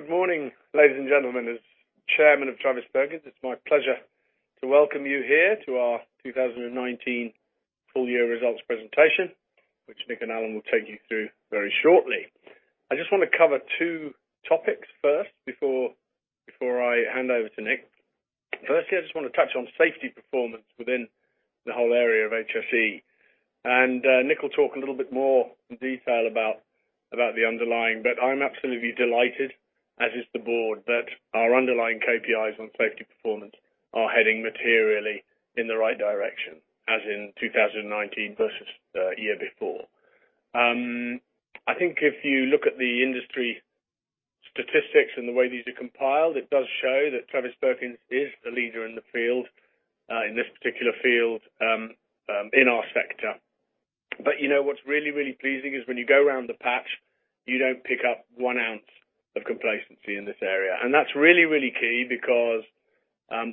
Good morning, ladies and gentlemen. As Chairman of Travis Perkins, it's my pleasure to welcome you here to our 2019 full year results presentation, which Nick and Alan will take you through very shortly. I just want to cover two topics first before I hand over to Nick. Firstly, I just want to touch on safety performance within the whole area of HSE. Nick will talk a little bit more in detail about the underlying, but I'm absolutely delighted, as is the board, that our underlying KPIs on safety performance are heading materially in the right direction as in 2019 versus the year before. I think if you look at the industry statistics and the way these are compiled, it does show that Travis Perkins is the leader in the field, in this particular field, in our sector. You know what's really, really pleasing is when you go around the patch, you don't pick up one ounce of complacency in this area. That's really, really key because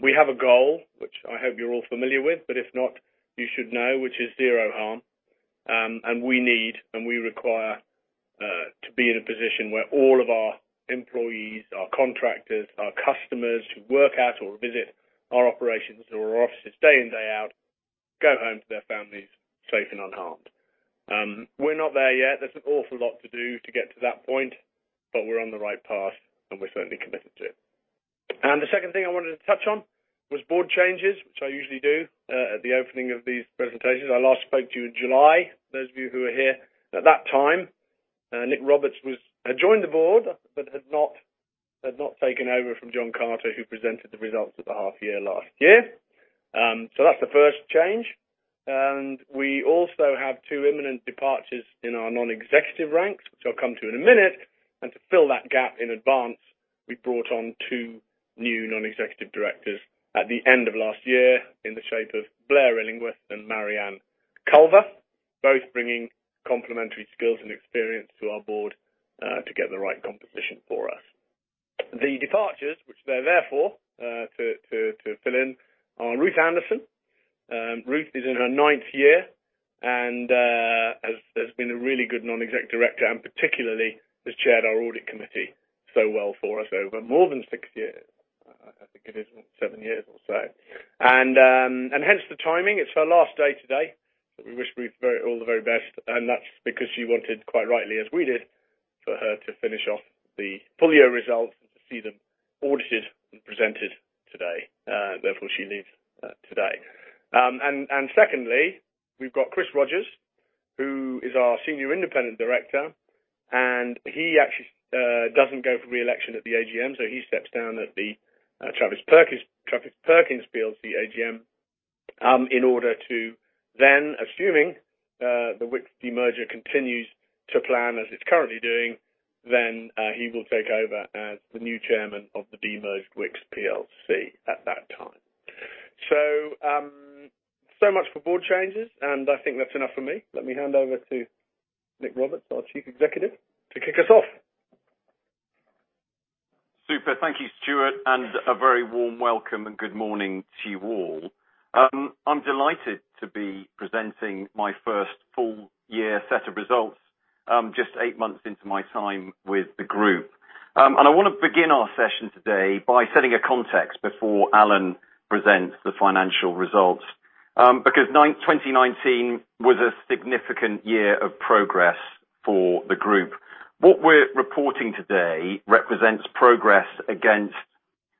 we have a goal, which I hope you're all familiar with, but if not, you should know, which is zero harm. We need, and we require, to be in a position where all of our employees, our contractors, our customers who work at or visit our operations or our offices day in, day out, go home to their families safe and unharmed. We're not there yet. There's an awful lot to do to get to that point, but we're on the right path and we're certainly committed to it. The second thing I wanted to touch on was board changes, which I usually do, at the opening of these presentations. I last spoke to you in July. Those of you who were here at that time, Nick Roberts had joined the board, but had not taken over from John Carter, who presented the results at the half year last year. That's the first change. We also have two imminent departures in our non-executive ranks, which I'll come to in a minute. To fill that gap in advance, we brought on two new non-executive directors at the end of last year in the shape of Blair Illingworth and Marianne Culver, both bringing complementary skills and experience to our board to get the right composition for us. The departures which they're there for, to fill in, are Ruth Anderson. Ruth is in her ninth year and has been a really good non-exec director and particularly has chaired our audit committee so well for us over more than six years. I think it is seven years or so. Hence the timing. It's her last day today. We wish Ruth all the very best, and that's because she wanted, quite rightly as we did, for her to finish off the full year results and to see them audited and presented today. Therefore, she leaves today. Secondly, we've got Chris Rogers, who is our Senior Independent Director, and he actually doesn't go for re-election at the AGM, so he steps down at the Travis Perkins plc AGM in order to then, assuming, the Wickes demerger continues to plan as it's currently doing, then, he will take over as the new Chairman of the demerged Wickes plc at that time. So much for board changes, and I think that's enough for me. Let me hand over to Nick Roberts, our Chief Executive, to kick us off. Super. Thank you, Stuart, a very warm welcome and good morning to you all. I'm delighted to be presenting my first full year set of results, just eight months into my time with the group. I want to begin our session today by setting a context before Alan presents the financial results, because 2019 was a significant year of progress for the group. What we're reporting today represents progress against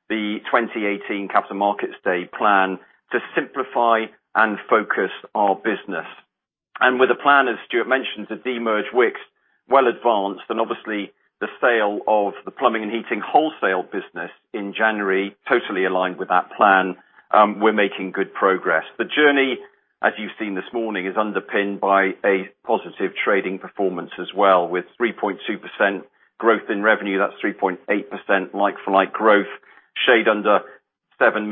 the 2018 capital markets day plan to simplify and focus our business. With a plan, as Stuart mentioned, to demerge Wickes well advanced, obviously the sale of the Plumbing & Heating wholesale business in January totally aligned with that plan, we're making good progress. The journey, as you've seen this morning, is underpinned by a positive trading performance as well, with 3.2% growth in revenue. That's 3.8% like-for-like growth, shade under 7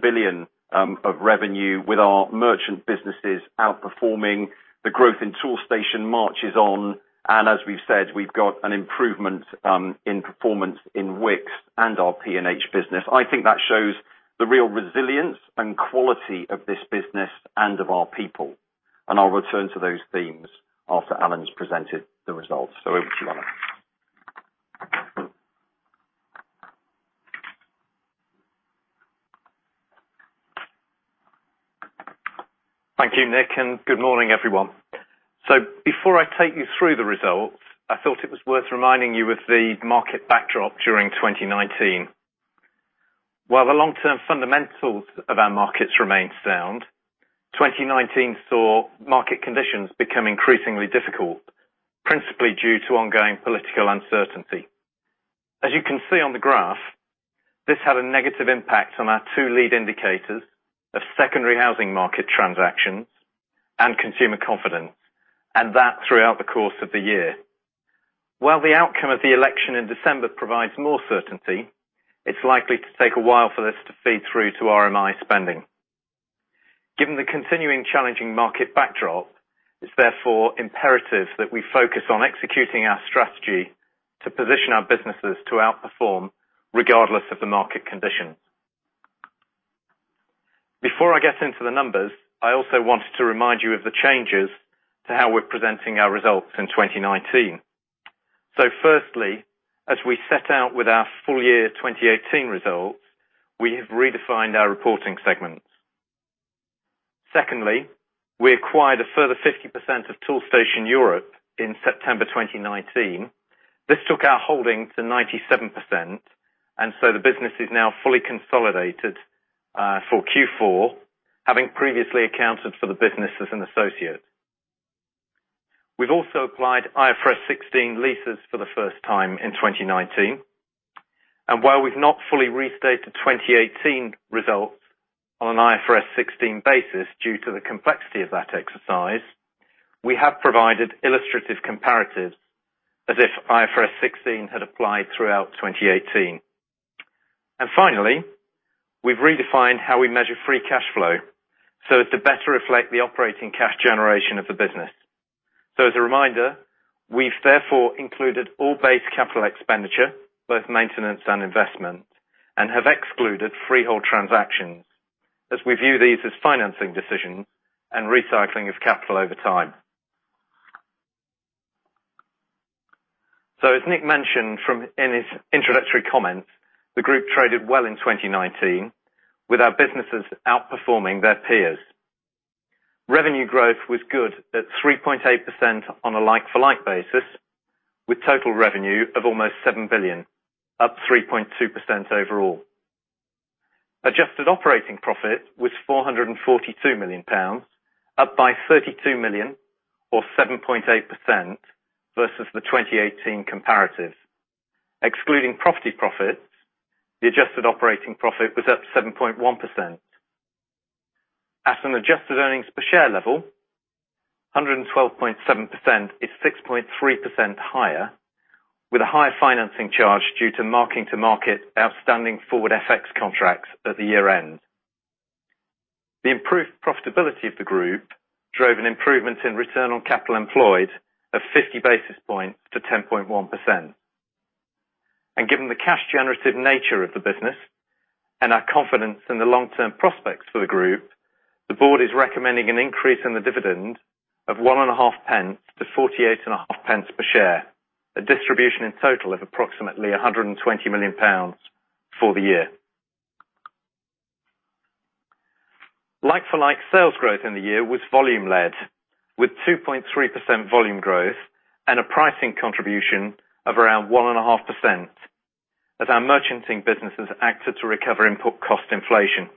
billion of revenue, with our merchant businesses outperforming. The growth in Toolstation marches on, as we've said, we've got an improvement in performance in Wickes and our P&H business. I think that shows the real resilience and quality of this business and of our people, I'll return to those themes after Alan's presented the results. Over to you, Alan. Thank you, Nick. Good morning, everyone. Before I take you through the results, I thought it was worth reminding you of the market backdrop during 2019. While the long-term fundamentals of our markets remain sound, 2019 saw market conditions become increasingly difficult, principally due to ongoing political uncertainty. As you can see on the graph, this had a negative impact on our 2 lead indicators of secondary housing market transactions and consumer confidence, and that throughout the course of the year. While the outcome of the election in December provides more certainty, it's likely to take a while for this to feed through to RMI spending. Given the continuing challenging market backdrop, it is therefore imperative that we focus on executing our strategy to position our businesses to outperform regardless of the market conditions. Before I get into the numbers, I also wanted to remind you of the changes to how we're presenting our results in 2019. Firstly, as we set out with our full year 2018 results, we have redefined our reporting segments. Secondly, we acquired a further 50% of Toolstation Europe in September 2019. This took our holding to 97%. The business is now fully consolidated, for Q4, having previously accounted for the business as an associate. We've also applied IFRS 16 leases for the first time in 2019. While we've not fully restated 2018 results on an IFRS 16 basis due to the complexity of that exercise, we have provided illustrative comparatives as if IFRS 16 had applied throughout 2018. Finally, we've redefined how we measure free cash flow so as to better reflect the operating cash generation of the business. As a reminder, we've therefore included all base capital expenditure, both maintenance and investment, and have excluded freehold transactions as we view these as financing decisions and recycling of capital over time. As Nick mentioned in his introductory comments, the group traded well in 2019 with our businesses outperforming their peers. Revenue growth was good at 3.8% on a like-for-like basis, with total revenue of almost 7 billion, up 3.2% overall. Adjusted operating profit was 442 million pounds, up by 32 million or 7.8% versus the 2018 comparatives. Excluding property profits, the adjusted operating profit was up 7.1%. At an adjusted earnings per share level, 1.127 is 6.3% higher, with a higher financing charge due to marking to market outstanding forward FX contracts at the year-end. The improved profitability of the group drove an improvement in return on capital employed of 50 basis points to 10.1%. Given the cash generative nature of the business and our confidence in the long-term prospects for the group, the board is recommending an increase in the dividend of one and a half penny to 48 and a half pence per share, a distribution in total of approximately 120 million pounds for the year. Like-for-like sales growth in the year was volume-led, with 2.3% volume growth and a pricing contribution of around 1.5% as our merchanting businesses acted to recover input cost inflation.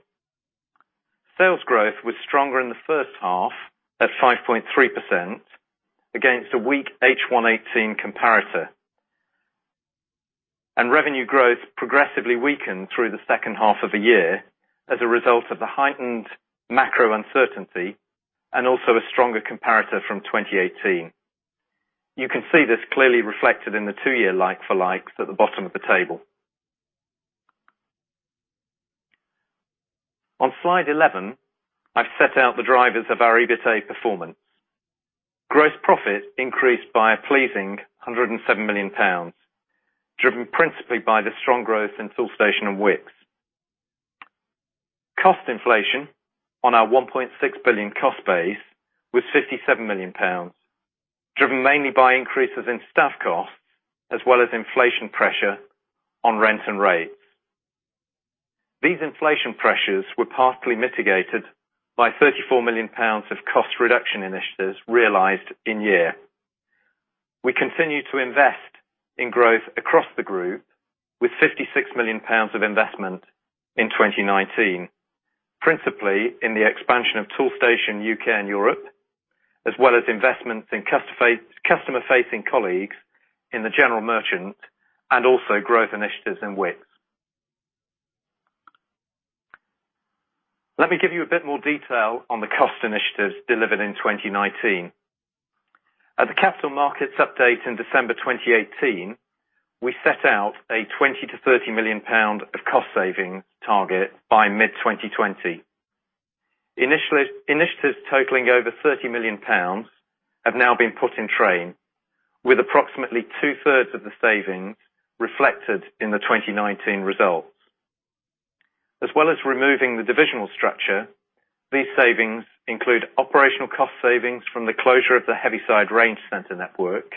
Sales growth was stronger in the first half at 5.3% against a weak H1 2018 comparator. Revenue growth progressively weakened through the second half of the year as a result of the heightened macro uncertainty and also a stronger comparator from 2018. You can see this clearly reflected in the two-year like-for-likes at the bottom of the table. On slide 11, I've set out the drivers of our EBITA performance. Gross profit increased by a pleasing 107 million pounds, driven principally by the strong growth in Toolstation and Wickes. Cost inflation on our 1.6 billion cost base was 57 million pounds, driven mainly by increases in staff costs as well as inflation pressure on rent and rates. These inflation pressures were partially mitigated by 34 million pounds of cost reduction initiatives realized in year. We continue to invest in growth across the group with 56 million pounds of investment in 2019, principally in the expansion of Toolstation UK and Europe, as well as investments in customer-facing colleagues in the general merchant, and also growth initiatives in Wickes. Let me give you a bit more detail on the cost initiatives delivered in 2019. At the capital markets update in December 2018, we set out a 20 million-30 million pound of cost savings target by mid-2020. Initiatives totaling over 30 million pounds have now been put in train, with approximately two-thirds of the savings reflected in the 2019 results. As well as removing the divisional structure, these savings include operational cost savings from the closure of the Heavyside range center network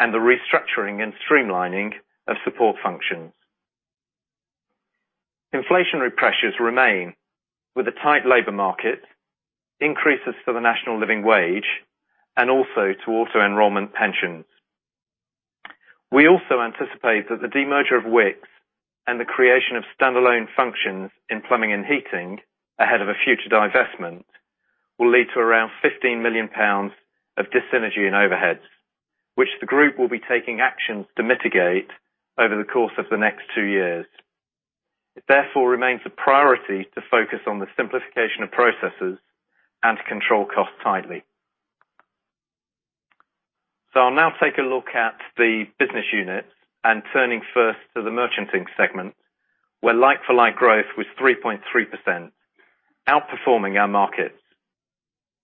and the restructuring and streamlining of support functions. Inflationary pressures remain with a tight labor market, increases for the National Living Wage, and also to auto-enrollment pensions. We also anticipate that the demerger of Wickes and the creation of standalone functions in plumbing and heating ahead of a future divestment will lead to around 15 million pounds of dis-synergy in overheads, which the group will be taking actions to mitigate over the course of the next two years.It therefore remains a priority to focus on the simplification of processes and to control costs tightly. I'll now take a look at the business units and turning first to the merchanting segment where like-for-like growth was 3.3%, outperforming our market.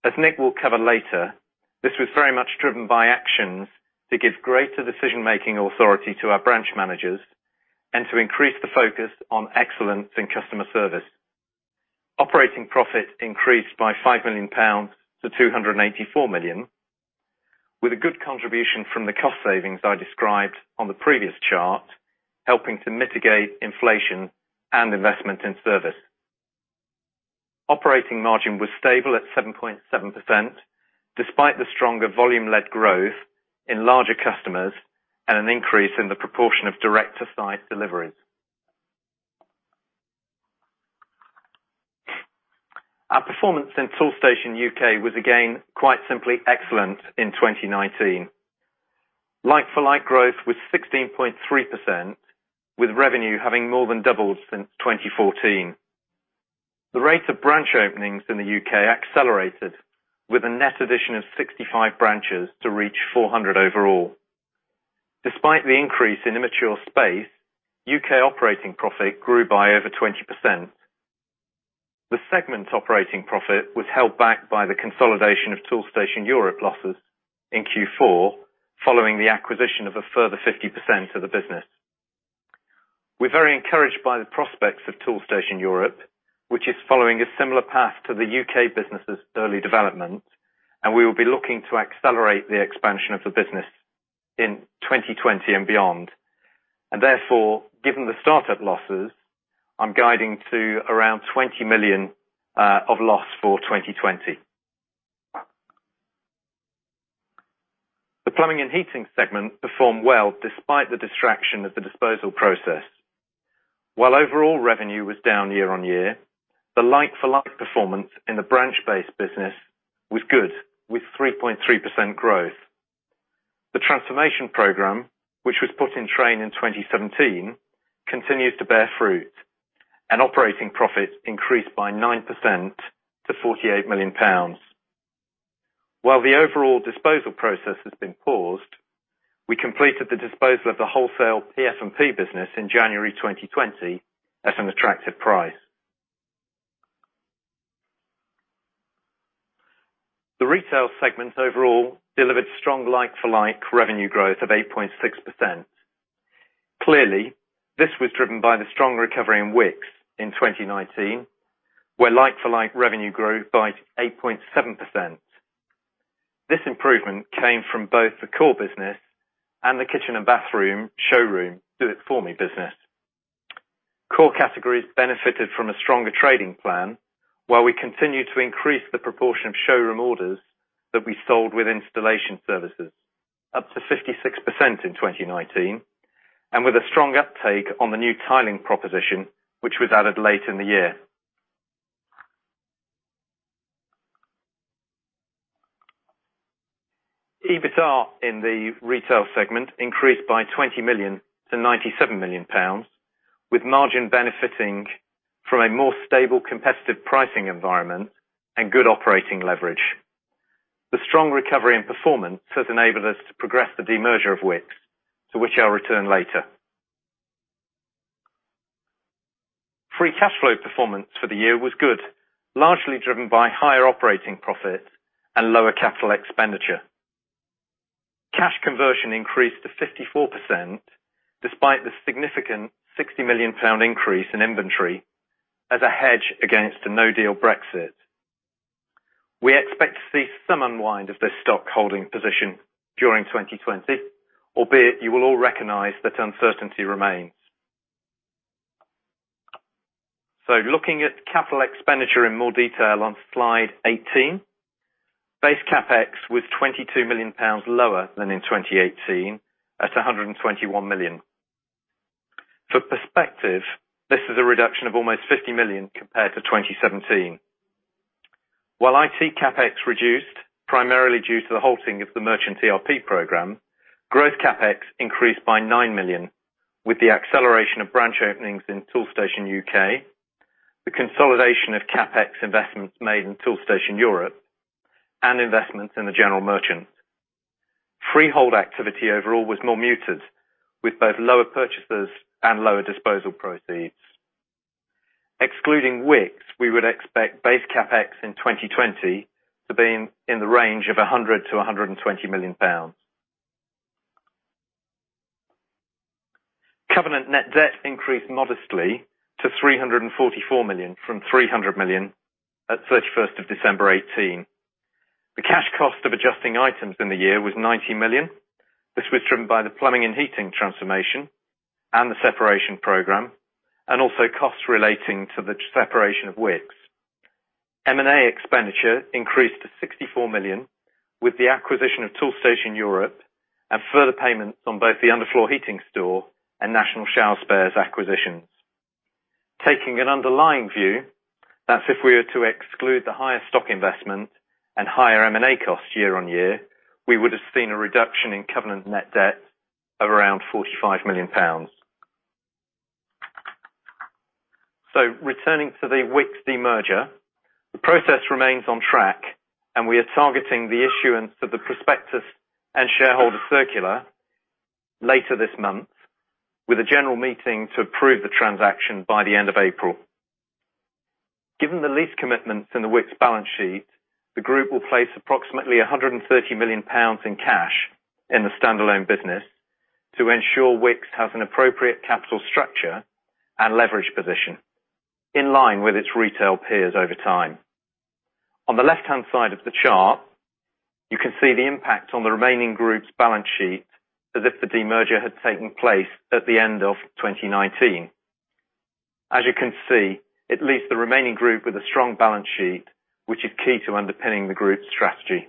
As Nick will cover later, this was very much driven by actions to give greater decision-making authority to our branch managers and to increase the focus on excellence in customer service. Operating profit increased by 5 million pounds to 284 million, with a good contribution from the cost savings I described on the previous chart, helping to mitigate inflation and investment in service. Operating margin was stable at 7.7%, despite the stronger volume-led growth in larger customers and an increase in the proportion of direct-to-site deliveries. Our performance in Toolstation UK was again, quite simply, excellent in 2019. Like-for-like growth was 16.3%, with revenue having more than doubled since 2014. The rate of branch openings in the U.K. accelerated with a net addition of 65 branches to reach 400 overall. Despite the increase in immature space, U.K. operating profit grew by over 20%. The segment operating profit was held back by the consolidation of Toolstation Europe losses in Q4, following the acquisition of a further 50% of the business. We're very encouraged by the prospects of Toolstation Europe, which is following a similar path to the U.K. business' early development, and we will be looking to accelerate the expansion of the business in 2020 and beyond. Therefore, given the startup losses, I'm guiding to around 20 million of loss for 2020. The Plumbing and Heating segment performed well despite the distraction of the disposal process. While overall revenue was down year-over-year, the like-for-like performance in the branch-based business was good, with 3.3% growth. The transformation program, which was put in train in 2017, continues to bear fruit, and operating profits increased by 9% to 48 million pounds. While the overall disposal process has been paused, we completed the disposal of the wholesale Primaflow F&P business in January 2020 at an attractive price. The retail segment overall delivered strong like-for-like revenue growth of 8.6%. Clearly, this was driven by the strong recovery in Wickes in 2019, where like-for-like revenue grew by 8.7%. This improvement came from both the core business and the kitchen and bathroom showroom do-it-for-me business. Core categories benefited from a stronger trading plan, while we continued to increase the proportion of showroom orders that we sold with installation services, up to 56% in 2019, and with a strong uptake on the new tiling proposition, which was added late in the year. EBITDA in the retail segment increased by 20 million to 97 million pounds, with margin benefiting from a more stable competitive pricing environment and good operating leverage. The strong recovery and performance has enabled us to progress the demerger of Wickes, to which I'll return later. Free cash flow performance for the year was good, largely driven by higher operating profit and lower capital expenditure. Cash conversion increased to 54%, despite the significant 60 million pound increase in inventory as a hedge against a no-deal Brexit. We expect to see some unwind of this stockholding position during 2020, albeit you will all recognize that uncertainty remains. Looking at capital expenditure in more detail on slide 18, base CapEx was 22 million pounds lower than in 2018 at 121 million. For perspective, this is a reduction of almost 50 million compared to 2017. While IT CapEx reduced, primarily due to the halting of the merchant ERP program, growth CapEx increased by 9 million with the acceleration of branch openings in Toolstation UK, the consolidation of CapEx investments made in Toolstation Europe, and investments in the general merchant. Freehold activity overall was more muted, with both lower purchases and lower disposal proceeds. Excluding Wickes, we would expect base CapEx in 2020 to be in the range of 100 million-120 million pounds. Covenant net debt increased modestly to 344 million from 300 million at 31st of December 2018. The cash cost of adjusting items in the year was 90 million. This was driven by the Plumbing & Heating transformation and the separation program, and also costs relating to the separation of Wickes. M&A expenditure increased to 64 million with the acquisition of Toolstation Europe and further payments on both The Underfloor Heating Store and National Shower Spares acquisitions. Taking an underlying view, that's if we were to exclude the higher stock investment and higher M&A costs year on year, we would have seen a reduction in covenant net debt of around 45 million pounds. Returning to the Wickes demerger, the process remains on track, and we are targeting the issuance of the prospectus and shareholder circular later this month, with a general meeting to prove the transaction by the end of April. Given the lease commitments in the Wickes balance sheet, the group will place approximately 130 million pounds in cash in the standalone business to ensure Wickes has an appropriate capital structure and leverage position in line with its retail peers over time. On the left-hand side of the chart, you can see the impact on the remaining group's balance sheet as if the demerger had taken place at the end of 2019. As you can see, it leaves the remaining group with a strong balance sheet, which is key to underpinning the group's strategy.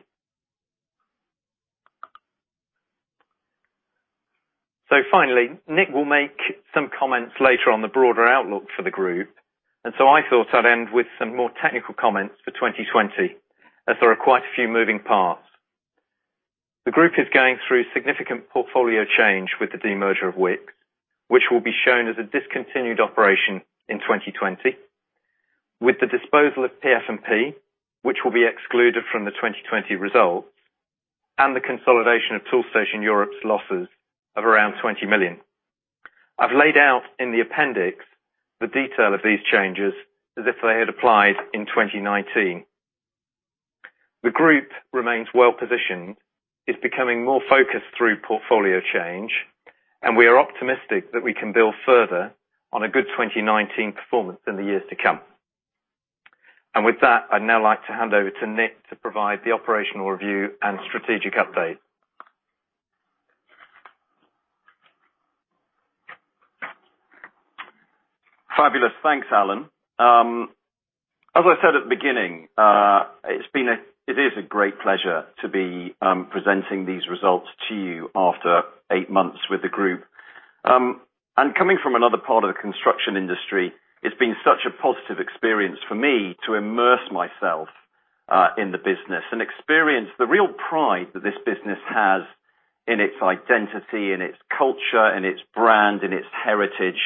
Finally, Nick will make some comments later on the broader outlook for the group. I thought I'd end with some more technical comments for 2020, as there are quite a few moving parts. The group is going through significant portfolio change with the demerger of Wickes, which will be shown as a discontinued operation in 2020, with the disposal of PFMP, which will be excluded from the 2020 results, and the consolidation of Toolstation Europe's losses of around 20 million. I've laid out in the appendix the detail of these changes as if they had applied in 2019. The group remains well-positioned, is becoming more focused through portfolio change, and we are optimistic that we can build further on a good 2019 performance in the years to come. With that, I'd now like to hand over to Nick to provide the operational review and strategic update. Fabulous. Thanks, Alan. As I said at the beginning, it is a great pleasure to be presenting these results to you after eight months with the group. Coming from another part of the construction industry, it's been such a positive experience for me to immerse myself in the business and experience the real pride that this business has in its identity, in its culture, in its brand, in its heritage,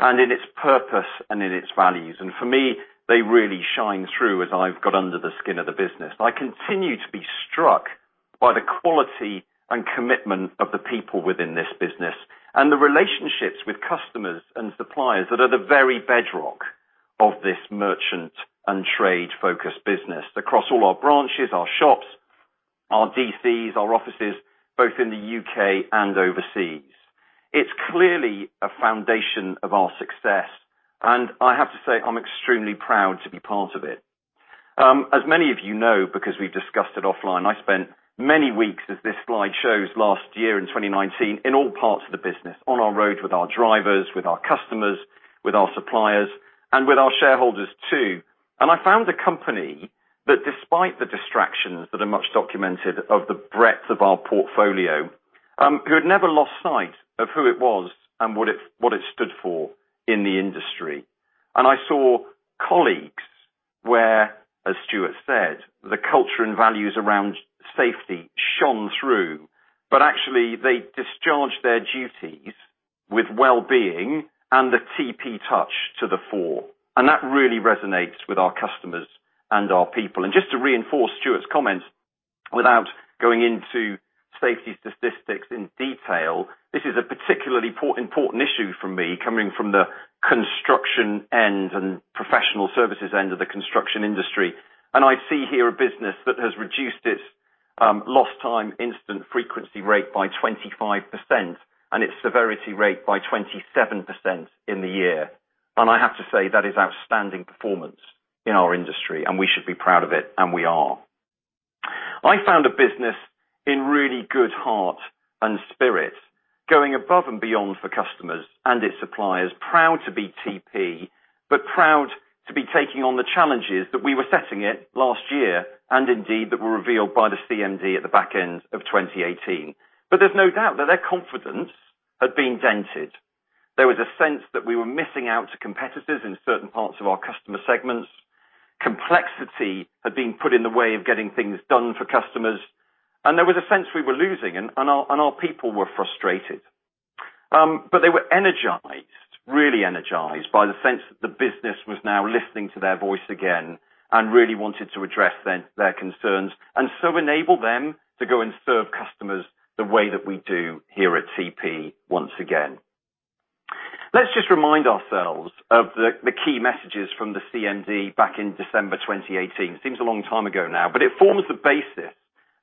and in its purpose and in its values. For me, they really shine through as I've got under the skin of the business. I continue to be struck by the quality and commitment of the people within this business, and the relationships with customers and suppliers that are the very bedrock of this merchant and trade-focused business across all our branches, our shops, our DCs, our offices, both in the U.K. and overseas. It's clearly a foundation of our success, I have to say, I'm extremely proud to be part of it. As many of you know, because we've discussed it offline, I spent many weeks, as this slide shows, last year in 2019, in all parts of the business, on our roads with our drivers, with our customers, with our suppliers, and with our shareholders, too. I found a company that despite the distractions that are much documented of the breadth of our portfolio, who had never lost sight of who it was and what it stood for in the industry. I saw colleagues where, as Stuart said, the culture and values around safety shone through, but actually, they discharge their duties with well-being and the TP touch to the fore. That really resonates with our customers and our people. Just to reinforce Stuart's comment, without going into safety statistics in detail, this is a particularly important issue for me, coming from the construction end and professional services end of the construction industry. I see here a business that has reduced its lost time instant frequency rate by 25% and its severity rate by 27% in the year. I have to say, that is outstanding performance in our industry, and we should be proud of it, and we are. I found a business in really good heart and spirit, going above and beyond for customers and its suppliers, proud to be TP, but proud to be taking on the challenges that we were setting it last year, and indeed, that were revealed by the CMD at the back end of 2018. There's no doubt that their confidence had been dented. There was a sense that we were missing out to competitors in certain parts of our customer segments. Complexity had been put in the way of getting things done for customers, and there was a sense we were losing and our people were frustrated. They were energized, really energized by the sense that the business was now listening to their voice again and really wanted to address their concerns, and so enable them to go and serve customers the way that we do here at TP once again. Let's just remind ourselves of the key messages from the CMD back in December 2018. It forms the basis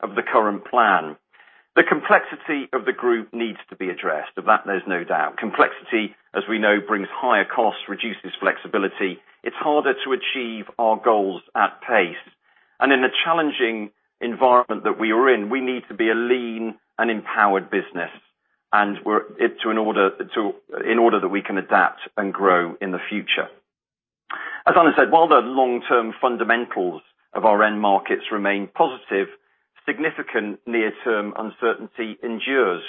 of the current plan. The complexity of the group needs to be addressed. Of that, there's no doubt. Complexity, as we know, brings higher costs, reduces flexibility. It's harder to achieve our goals at pace. In the challenging environment that we are in, we need to be a lean and empowered business in order that we can adapt and grow in the future. As Alan said, while the long-term fundamentals of our end markets remain positive, significant near-term uncertainty endures.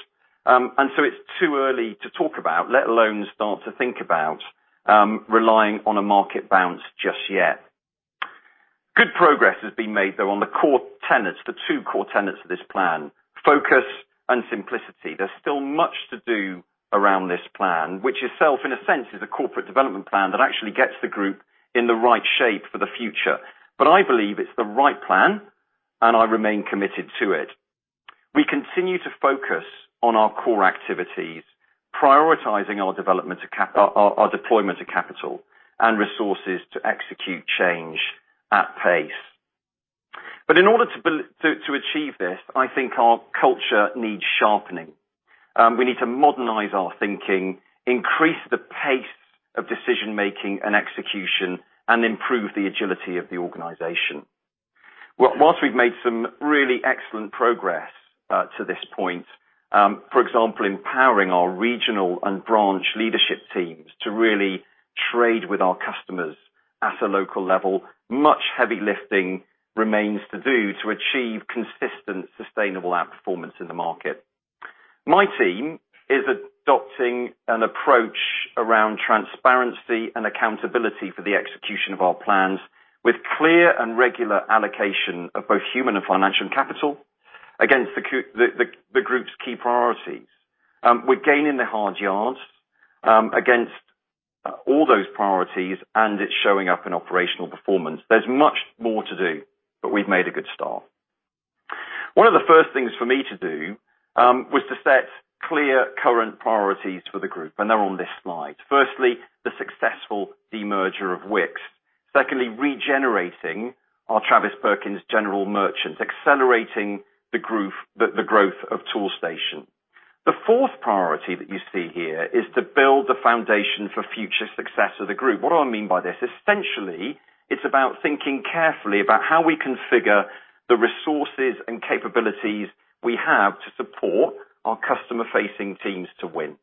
It's too early to talk about, let alone start to think about, relying on a market bounce just yet. Good progress has been made, though, on the core tenets, the two core tenets of this plan, focus and simplicity. There's still much to do around this plan, which itself, in a sense, is a corporate development plan that actually gets the group in the right shape for the future. I believe it's the right plan. I remain committed to it. We continue to focus on our core activities, prioritizing our deployment of capital and resources to execute change at pace. In order to achieve this, I think our culture needs sharpening. We need to modernize our thinking, increase the pace of decision-making and execution, and improve the agility of the organization. Whilst we've made some really excellent progress to this point, for example, empowering our regional and branch leadership teams to really trade with our customers at a local level, much heavy lifting remains to do to achieve consistent, sustainable outperformance in the market. My team is adopting an approach around transparency and accountability for the execution of our plans with clear and regular allocation of both human and financial capital against the group's key priorities. We're gaining the hard yards against all those priorities and it's showing up in operational performance. There's much more to do, but we've made a good start. One of the first things for me to do was to set clear current priorities for the group, and they're on this slide. Firstly, the successful demerger of Wickes. Secondly, regenerating our Travis Perkins General Merchants, accelerating the growth of Toolstation. The fourth priority that you see here is to build the foundation for future success of the group. What do I mean by this? Essentially, it's about thinking carefully about how we configure the resources and capabilities we have to support our customer-facing teams to win.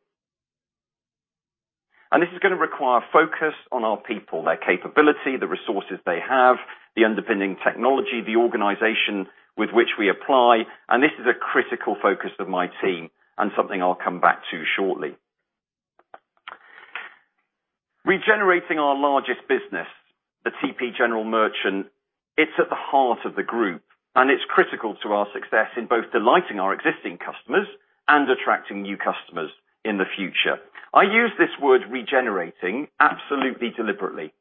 This is going to require focus on our people, their capability, the resources they have, the underpinning technology, the organization with which we apply, and this is a critical focus of my team and something I'll come back to shortly. Regenerating our largest business, the TP General Merchant, it's at the heart of the group and it's critical to our success in both delighting our existing customers and attracting new customers in the future. I use this word regenerating absolutely deliberately.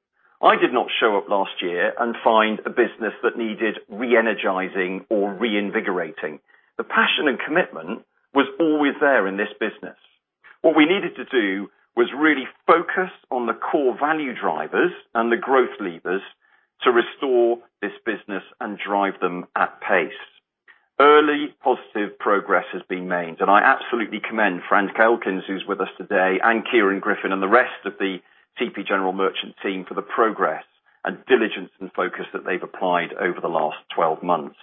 I did not show up last year and find a business that needed re-energizing or reinvigorating. The passion and commitment was always there in this business. What we needed to do was really focus on the core value drivers and the growth levers to restore this business and drive them at pace. Early positive progress has been made. I absolutely commend Frank Elkins, who's with us today, and Kieran Griffin, and the rest of the TP General Merchant team for the progress and diligence and focus that they've applied over the last 12 months.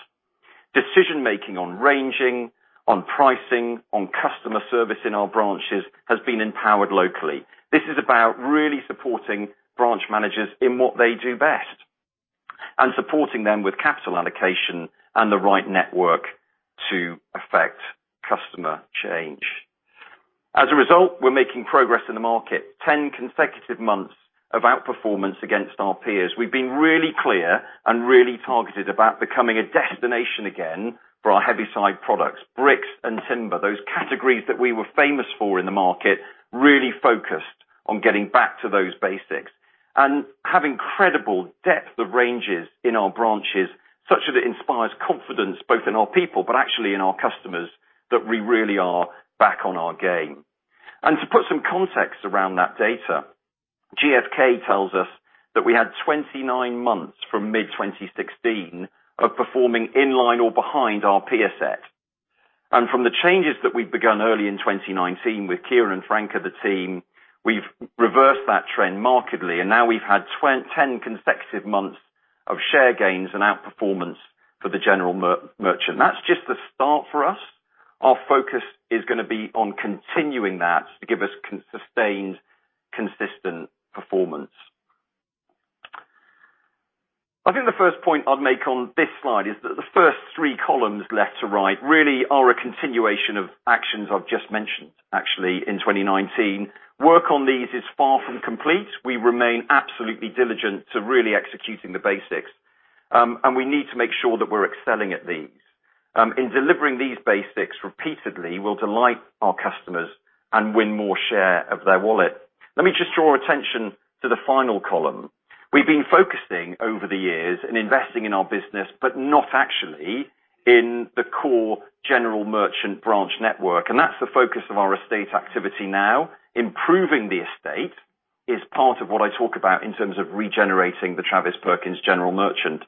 Decision-making on ranging, on pricing, on customer service in our branches has been empowered locally. This is about really supporting branch managers in what they do best and supporting them with capital allocation and the right network to affect customer change. As a result, we're making progress in the market. Ten consecutive months of outperformance against our peers. We've been really clear and really targeted about becoming a destination again for our Heavyside products, bricks and timber, those categories that we were famous for in the market, really focused on getting back to those basics and have incredible depth of ranges in our branches, such that it inspires confidence both in our people, but actually in our customers that we really are back on our game. To put some context around that data, GfK tells us that we had 29 months from mid-2016 of performing in line or behind our peer set. From the changes that we've begun early in 2019 with Kieran and Frank and the team, we've reversed that trend markedly, and now we've had 10 consecutive months of share gains and outperformance for the General Merchant. That's just the start for us. Our focus is going to be on continuing that to give us sustained, consistent performance. I think the first point I'd make on this slide is that the first three columns left to right really are a continuation of actions I've just mentioned actually in 2019. Work on these is far from complete. We remain absolutely diligent to really executing the basics, and we need to make sure that we're excelling at these. In delivering these basics repeatedly, we'll delight our customers and win more share of their wallet. Let me just draw attention to the final column. We've been focusing over the years in investing in our business, but not actually in the core General Merchant branch network. That's the focus of our estate activity now. Improving the estate is part of what I talk about in terms of regenerating the Travis Perkins General Merchant.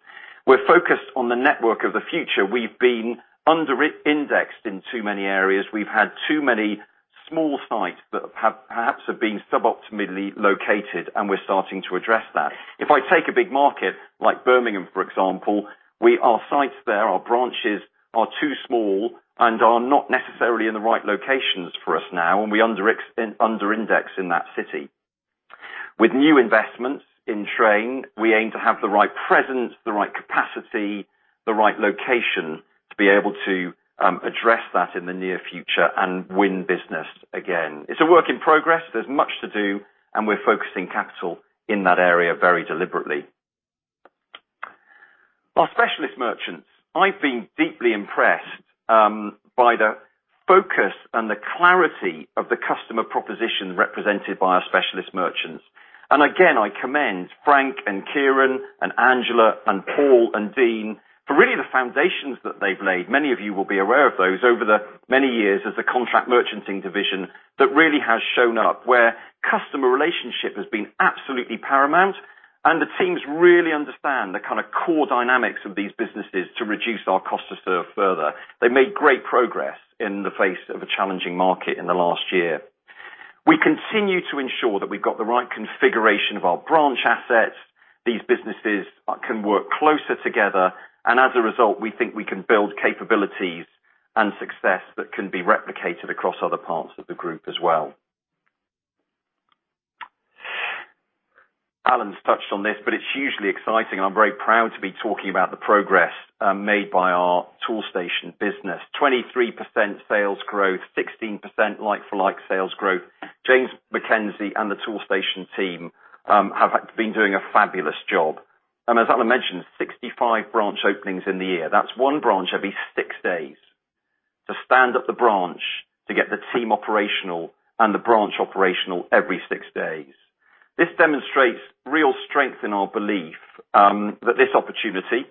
We're focused on the network of the future. We've been under indexed in too many areas. We've had too many small sites that perhaps have been suboptimally located and we're starting to address that. If I take a big market like Birmingham, for example, our sites there, our branches are too small and are not necessarily in the right locations for us now, and we under index in that city. With new investments in train, we aim to have the right presence, the right capacity, the right location to be able to address that in the near future and win business again. It's a work in progress. There's much to do. We're focusing capital in that area very deliberately. Our specialist merchants, I've been deeply impressed by the focus and the clarity of the customer proposition represented by our specialist merchants. Again, I commend Frank and Kieran and Angela and Paul and Dean for really the foundations that they've laid. Many of you will be aware of those over the many years as the contract merchanting division that really has shown up where customer relationship has been absolutely paramount, and the teams really understand the kind of core dynamics of these businesses to reduce our cost to serve further. They made great progress in the face of a challenging market in the last year. We continue to ensure that we've got the right configuration of our branch assets. As a result, we think we can build capabilities and success that can be replicated across other parts of the group as well. Alan's touched on this, but it's hugely exciting and I'm very proud to be talking about the progress made by our Toolstation business. 23% sales growth, 16% like-for-like sales growth. James Mackenzie and the Toolstation team have been doing a fabulous job. As Alan mentioned, 65 branch openings in the year. That's one branch every six days. To stand up the branch, to get the team operational and the branch operational every six days. This demonstrates real strength in our belief in this opportunity,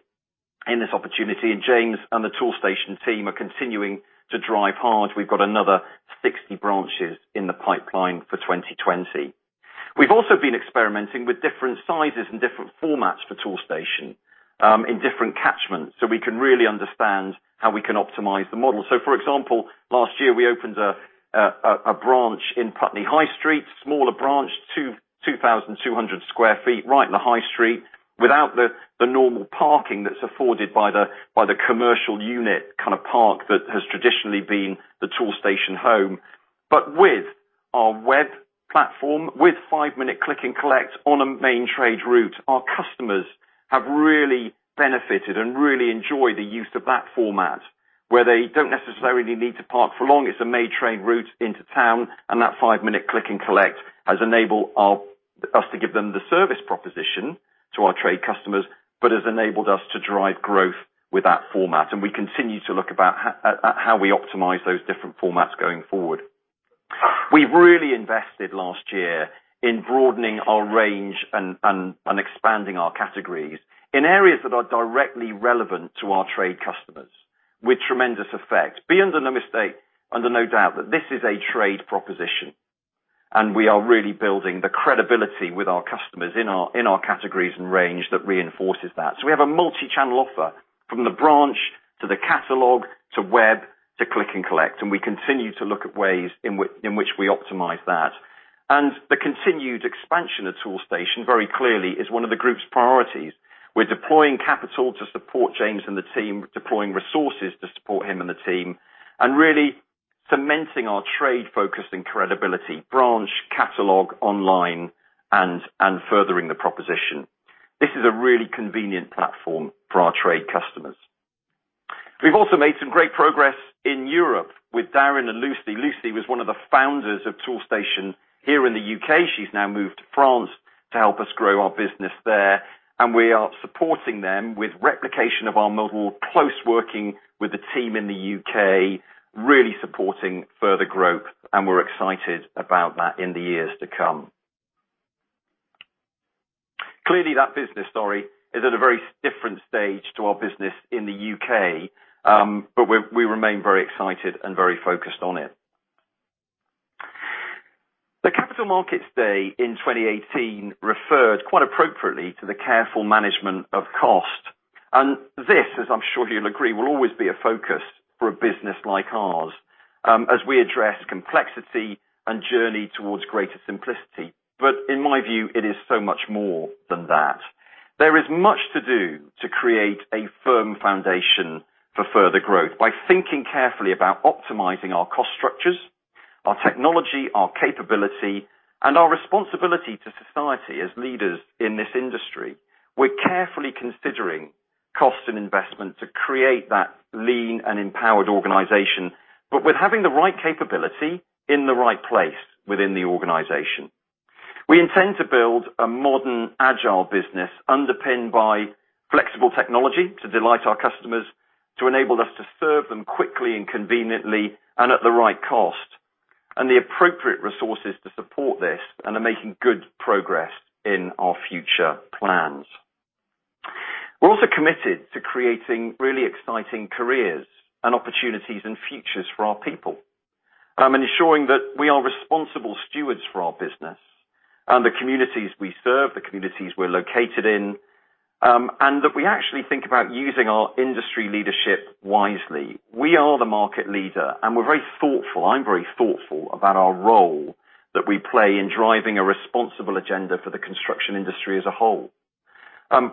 and James and the Toolstation team are continuing to drive hard. We've got another 60 branches in the pipeline for 2020. We've also been experimenting with different sizes and different formats for Toolstation, in different catchments, so we can really understand how we can optimize the model. For example, last year we opened a branch in Putney High Street, smaller branch, 2,200 sq ft, right in the High Street without the normal parking that's afforded by the commercial unit kind of park that has traditionally been the Toolstation home. With our web platform, with five-minute click and collect on a main trade route, our customers have really benefited and really enjoy the use of that format where they don't necessarily need to park for long. It's a main trade route into town, and that five-minute click and collect has enabled us to give them the service proposition to our trade customers, but has enabled us to drive growth with that format. We continue to look at how we optimize those different formats going forward. We really invested last year in broadening our range and expanding our categories in areas that are directly relevant to our trade customers with tremendous effect. Be under no mistake, under no doubt that this is a trade proposition, and we are really building the credibility with our customers in our categories and range that reinforces that. We have a multi-channel offer from the branch to the catalog, to web, to click and collect, and we continue to look at ways in which we optimize that. The continued expansion of Toolstation very clearly is one of the group's priorities. We're deploying capital to support James and the team, deploying resources to support him and the team, and really cementing our trade focus and credibility, branch, catalog, online and furthering the proposition. This is a really convenient platform for our trade customers. We've also made some great progress in Europe with Darren and Lucy. Lucy was one of the founders of Toolstation here in the U.K. She's now moved to France to help us grow our business there, and we are supporting them with replication of our model, close working with the team in the U.K., really supporting further growth, and we're excited about that in the years to come. Clearly, that business story is at a very different stage to our business in the U.K., but we remain very excited and very focused on it. The Capital Markets Day in 2018 referred quite appropriately to the careful management of cost. This, as I'm sure you'll agree, will always be a focus for a business like ours, as we address complexity and journey towards greater simplicity. In my view, it is so much more than that. There is much to do to create a firm foundation for further growth by thinking carefully about optimizing our cost structures, our technology, our capability, and our responsibility to society as leaders in this industry. We're carefully considering cost and investment to create that lean and empowered organization, but with having the right capability in the right place within the organization. We intend to build a modern, agile business underpinned by flexible technology to delight our customers, to enable us to serve them quickly and conveniently, and at the right cost, and the appropriate resources to support this and are making good progress in our future plans. We are also committed to creating really exciting careers and opportunities and futures for our people, and ensuring that we are responsible stewards for our business and the communities we serve, the communities we are located in, and that we actually think about using our industry leadership wisely. We are the market leader, and we are very thoughtful. I am very thoughtful about our role that we play in driving a responsible agenda for the construction industry as a whole.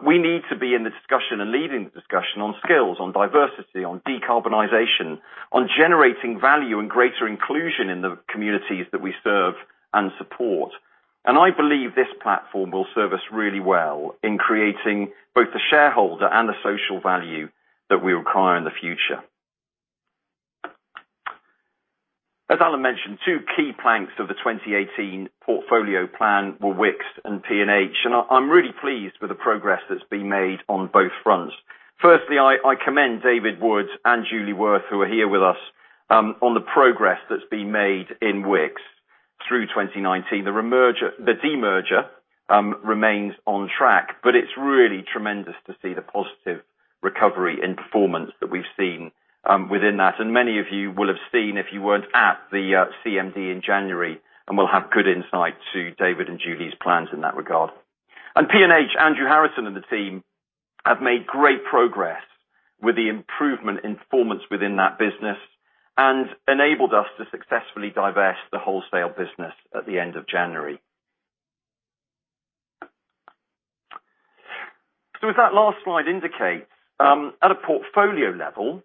We need to be in the discussion and leading the discussion on skills, on diversity, on decarbonization, on generating value and greater inclusion in the communities that we serve and support. I believe this platform will serve us really well in creating both the shareholder and the social value that we require in the future. As Alan mentioned, two key planks of the 2018 portfolio plan were Wickes and P&H, and I'm really pleased with the progress that's been made on both fronts. Firstly, I commend David Wood and Julie Wirth, who are here with us, on the progress that's been made in Wickes through 2019. The de-merger remains on track, but it's really tremendous to see the positive recovery and performance that we've seen within that. Many of you will have seen if you weren't at the CMD in January, and will have good insight to David and Julie's plans in that regard. On P&H, Andrew Harrison and the team have made great progress with the improvement in performance within that business and enabled us to successfully divest the wholesale business at the end of January. As that last slide indicates, at a portfolio level,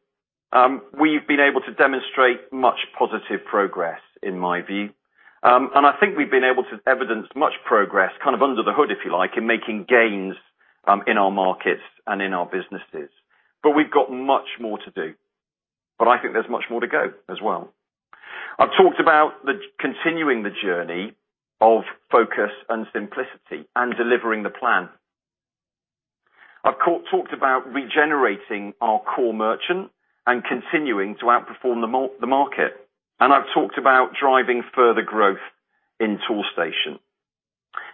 we've been able to demonstrate much positive progress in my view. I think we've been able to evidence much progress, kind of under the hood, if you like, in making gains in our markets and in our businesses. We've got much more to do. I think there's much more to go as well. I've talked about continuing the journey of focus and simplicity and delivering the plan. I've talked about regenerating our core merchant and continuing to outperform the market. I've talked about driving further growth in Toolstation.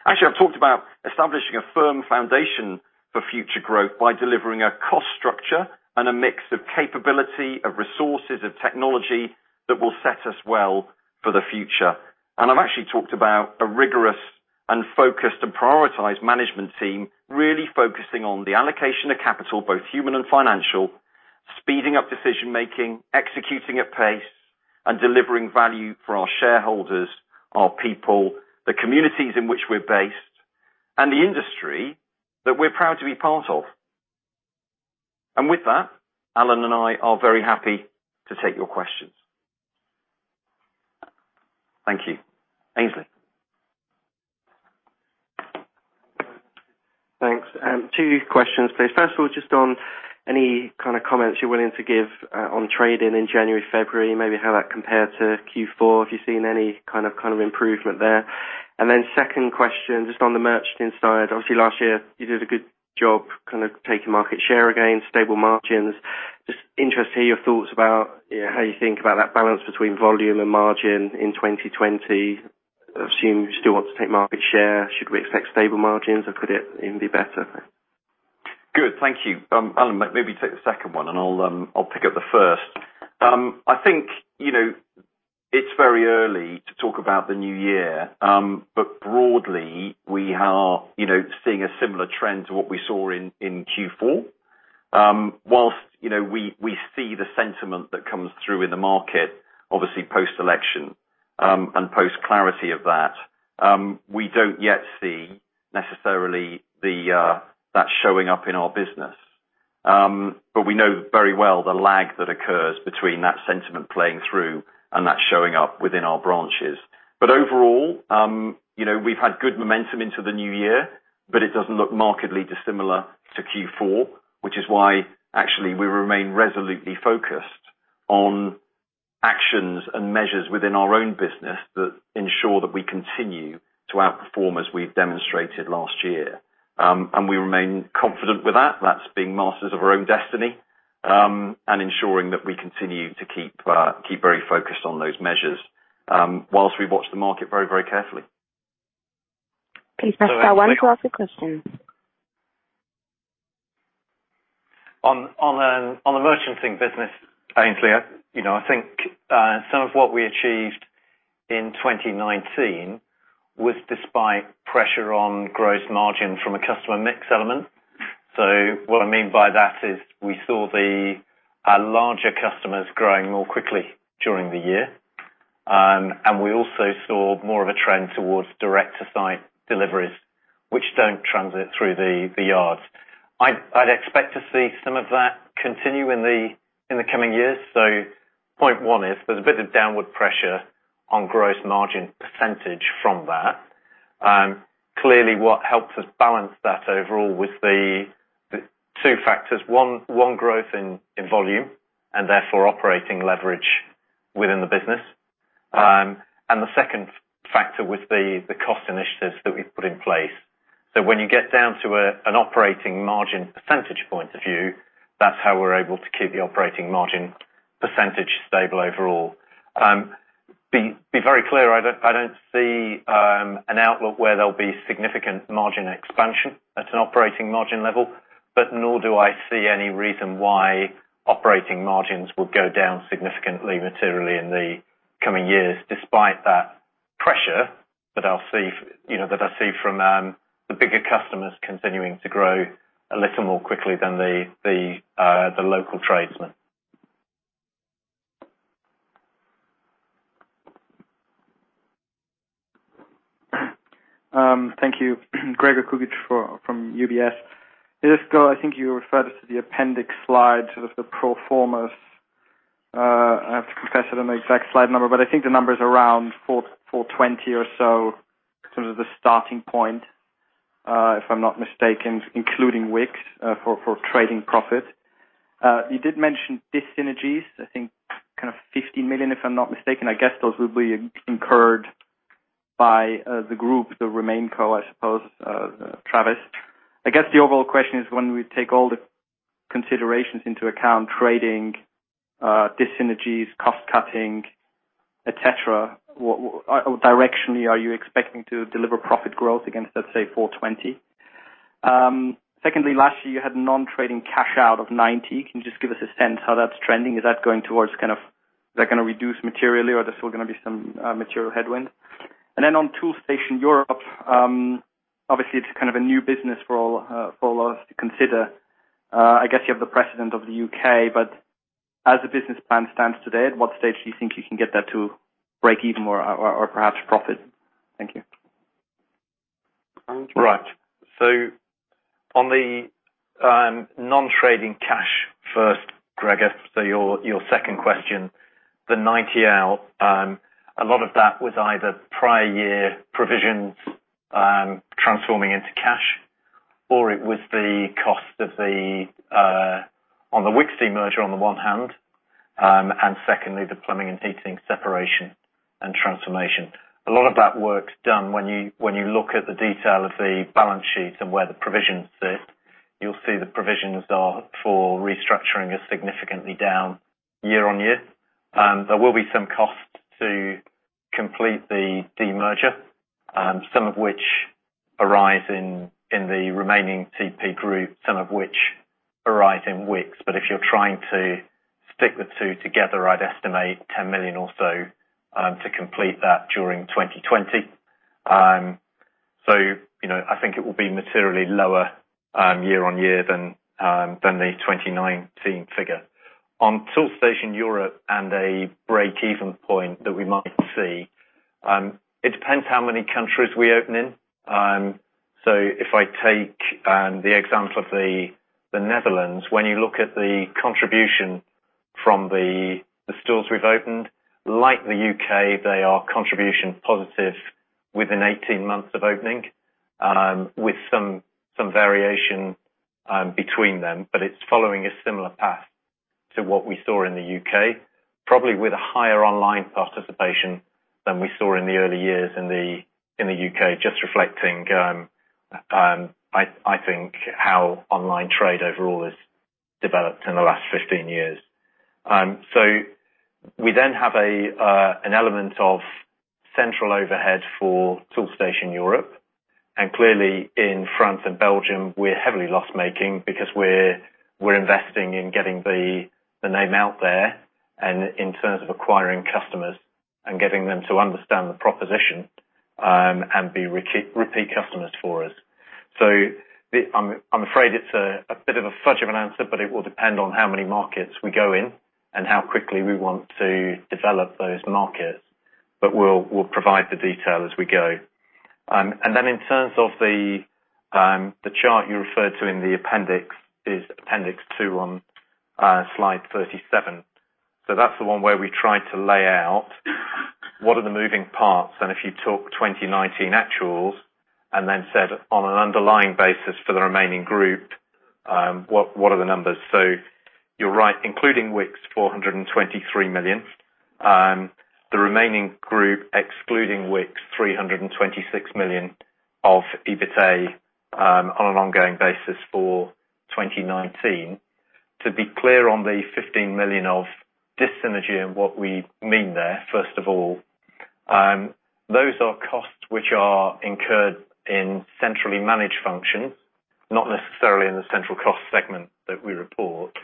Actually, I've talked about establishing a firm foundation for future growth by delivering a cost structure and a mix of capability, of resources, of technology that will set us well for the future. I've actually talked about a rigorous and focused and prioritized management team, really focusing on the allocation of capital, both human and financial, speeding up decision-making, executing at pace, and delivering value for our shareholders, our people, the communities in which we're based, and the industry that we're proud to be part of. With that, Alan and I are very happy to take your questions. Thank you. Aynsley. Thanks. Two questions, please. First of all, just on any kind of comments you're willing to give on trade-in in January, February, maybe how that compared to Q4, if you've seen any kind of improvement there? Second question, just on the merchanting side. Obviously last year you did a good job kind of taking market share again, stable margins. Interested to hear your thoughts about how you think about that balance between volume and margin in 2020? I assume you still want to take market share. Should we expect stable margins or could it even be better? Good, thank you. Alan, maybe take the second one and I'll pick up the first. I think it's very early to talk about the new year. Broadly, we are seeing a similar trend to what we saw in Q4. Whilst we see the sentiment that comes through in the market, obviously post-election, and post clarity of that, we don't yet see necessarily that showing up in our business. We know very well the lag that occurs between that sentiment playing through and that showing up within our branches. Overall, we've had good momentum into the new year, but it doesn't look markedly dissimilar to Q4, which is why actually we remain resolutely focused on actions and measures within our own business that ensure that we continue to outperform as we've demonstrated last year. We remain confident with that's being masters of our own destiny, and ensuring that we continue to keep very focused on those measures while we watch the market very, very carefully. Please press star one to ask a question. On the merchanting business, Aynsley, I think some of what we achieved in 2019 was despite pressure on gross margin from a customer mix element. What I mean by that is we saw our larger customers growing more quickly during the year. We also saw more of a trend towards direct-to-site deliveries, which don't transit through the yards. I'd expect to see some of that continue in the coming years. Point one is there's a bit of downward pressure on gross margin percentage from that. Clearly, what helps us balance that overall with the two factors, one, growth in volume and therefore operating leverage within the business. The second factor was the cost initiatives that we've put in place. When you get down to an operating margin percentage point of view, that's how we're able to keep the operating margin percentage stable overall. Be very clear, I don't see an outlook where there'll be significant margin expansion at an operating margin level, but nor do I see any reason why operating margins would go down significantly materially in the coming years, despite that pressure that I see from the bigger customers continuing to grow a little more quickly than the local tradesmen. Thank you. Gregor Kuglitsch from UBS. I think you referred to the appendix slide, sort of the pro formas. I have to confess, I don't know the exact slide number, but I think the number's around 420 or so, sort of the starting point if I'm not mistaken, including Wickes for trading profit. You did mention dis-synergies, I think kind of 15 million, if I'm not mistaken. I guess those will be incurred by the group, the RemainCo, I suppose, Travis. I guess the overall question is when we take all the considerations into account, trading, dis-synergies, cost-cutting, et cetera, directionally are you expecting to deliver profit growth against, let's say, 420? Last year you had non-trading cash out of 90. Can you just give us a sense how that's trending? Is that going to reduce materially or there's still going to be some material headwind? On Toolstation Europe, obviously it's kind of a new business for all of us to consider. I guess you have the precedent of the U.K., but as the business plan stands today, at what stage do you think you can get that to break even more or perhaps profit? Thank you. On the non-trading cash first, Greg, your second question, the 90 out, a lot of that was either prior year provisions transforming into cash, or it was the cost on the Wickes demerger on the one hand, and secondly, the Plumbing & Heating separation and transformation. A lot of that work's done. When you look at the detail of the balance sheet and where the provisions sit, you'll see the provisions for restructuring are significantly down year on year. There will be some cost to complete the demerger, some of which arise in the remaining TP group, some of which arise in Wickes. If you're trying to stick the two together, I'd estimate 10 million or so to complete that during 2020. I think it will be materially lower year on year than the 2019 figure. Toolstation Europe and a break-even point that we might see, it depends how many countries we open in. If I take the example of the Netherlands, when you look at the contribution from the stores we've opened, like the U.K., they are contribution positive within 18 months of opening, with some variation between them. It's following a similar path to what we saw in the U.K., probably with a higher online participation than we saw in the early years in the U.K., just reflecting, I think, how online trade overall has developed in the last 15 years. We then have an element of central overhead for Toolstation Europe, and clearly in France and Belgium, we're heavily loss-making because we're investing in getting the name out there and in terms of acquiring customers and getting them to understand the proposition and be repeat customers for us. I'm afraid it's a bit of a fudge of an answer, but it will depend on how many markets we go in and how quickly we want to develop those markets. We'll provide the detail as we go. Then in terms of the chart you referred to in the appendix is Appendix 2 on slide 37. That's the one where we tried to lay out what are the moving parts, and if you took 2019 actuals and then said on an underlying basis for the remaining group what are the numbers? You're right, including Wickes, 423 million. The remaining group, excluding Wickes, 326 million of EBITA on an ongoing basis for 2019. To be clear on the 15 million of dis-synergy and what we mean there, first of all, those are costs which are incurred in centrally managed functions, not necessarily in the central cost segment that we report,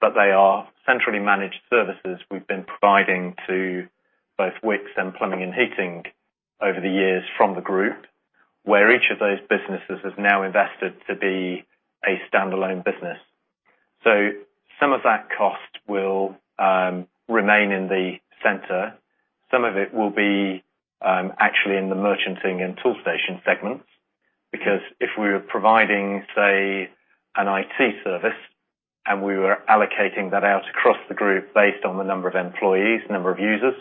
but they are centrally managed services we've been providing to both Wickes and Plumbing and Heating over the years from the group, where each of those businesses has now invested to be a standalone business. Some of that cost will remain in the center. Some of it will be actually in the merchanting and Toolstation segments because if we were providing, say, an IT service and we were allocating that out across the group based on the number of employees, number of users,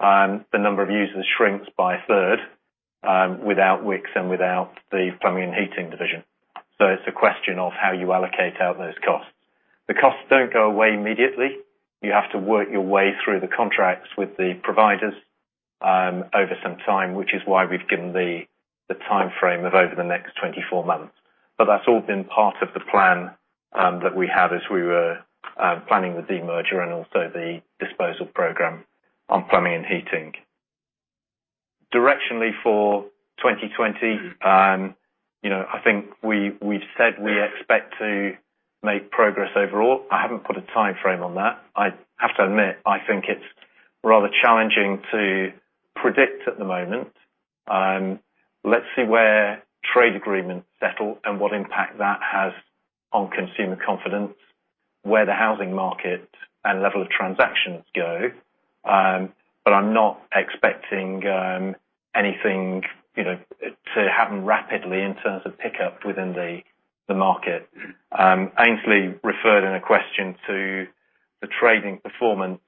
the number of users shrinks by a third without Wickes and without the Plumbing and Heating division. It's a question of how you allocate out those costs. The costs don't go away immediately. You have to work your way through the contracts with the providers over some time, which is why we've given the time frame of over the next 24 months. That's all been part of the plan that we had as we were planning the demerger and also the disposal program on Plumbing & Heating. Directionally for 2020, I think we've said we expect to make progress overall. I haven't put a time frame on that. I have to admit, I think it's rather challenging to predict at the moment. Let's see where trade agreements settle and what impact that has on consumer confidence, where the housing market and level of transactions go. I'm not expecting anything to happen rapidly in terms of pickup within the market. Aynsley referred in a question to the trading performance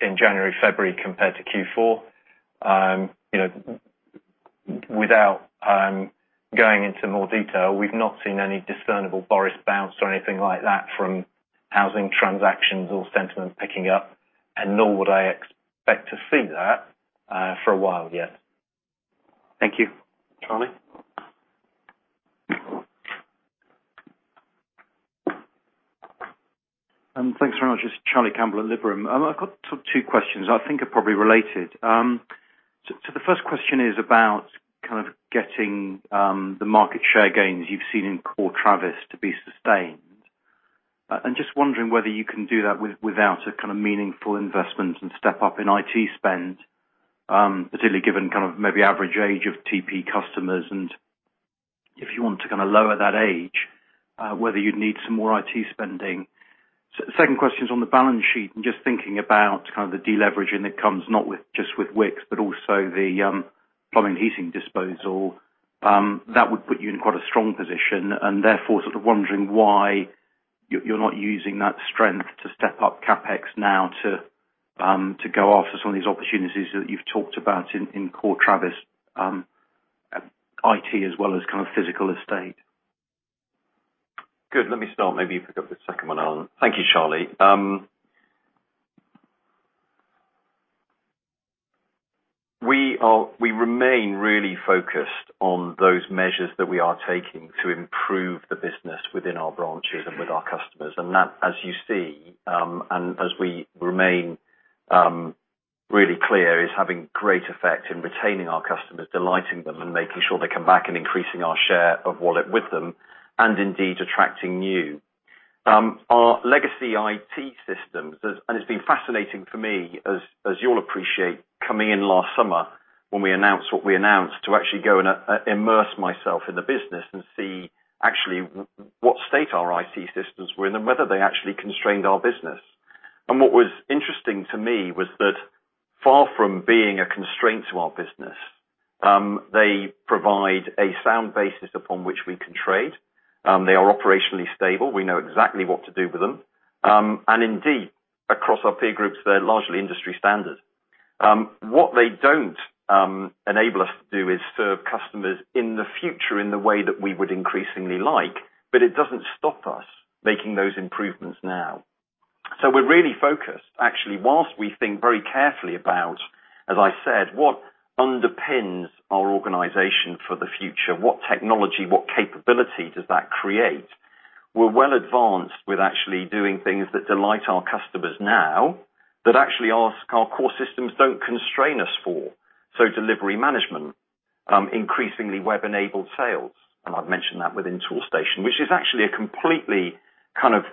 in January, February compared to Q4. Without going into more detail, we've not seen any discernible Boris bounce or anything like that from housing transactions or sentiment picking up, and nor would I expect to see that for a while yet. Thank you. Charlie? Thanks very much. It's Charlie Campbell at Liberum. I've got two questions I think are probably related. The first question is about kind of getting the market share gains you've seen in Core Travis to be sustained. I'm just wondering whether you can do that without a kind of meaningful investment and step up in IT spend, particularly given kind of maybe average age of TP customers and if you want to kind of lower that age, whether you'd need some more IT spending. Second question is on the balance sheet and just thinking about kind of the deleveraging that comes not just with Wickes, but also the Plumbing & Heating disposal. That would put you in quite a strong position, and therefore sort of wondering why you're not using that strength to step up CapEx now to go after some of these opportunities that you've talked about in Core Travis, IT as well as kind of physical estate. Good. Let me start. Maybe you pick up the second one, Alan. Thank you, Charlie. We remain really focused on those measures that we are taking to improve the business within our branches and with our customers. That, as you see, and as we remain really clear, is having great effect in retaining our customers, delighting them, and making sure they come back and increasing our share of wallet with them, and indeed, attracting new. Our legacy IT systems, and it's been fascinating for me, as you'll appreciate, coming in last summer when we announced what we announced, to actually go and immerse myself in the business and see actually what state our IT systems were in and whether they actually constrained our business. What was interesting to me was that far from being a constraint to our business, they provide a sound basis upon which we can trade. They are operationally stable. We know exactly what to do with them. Indeed, across our peer groups, they're largely industry standard. What they don't enable us to do is serve customers in the future in the way that we would increasingly like, but it doesn't stop us making those improvements now. We're really focused, actually, whilst we think very carefully about, as I said, what underpins our organization for the future, what technology, what capability does that create? We're well advanced with actually doing things that delight our customers now that actually our core systems don't constrain us for. Delivery management, increasingly web-enabled sales, and I've mentioned that within Toolstation, which is actually a completely kind of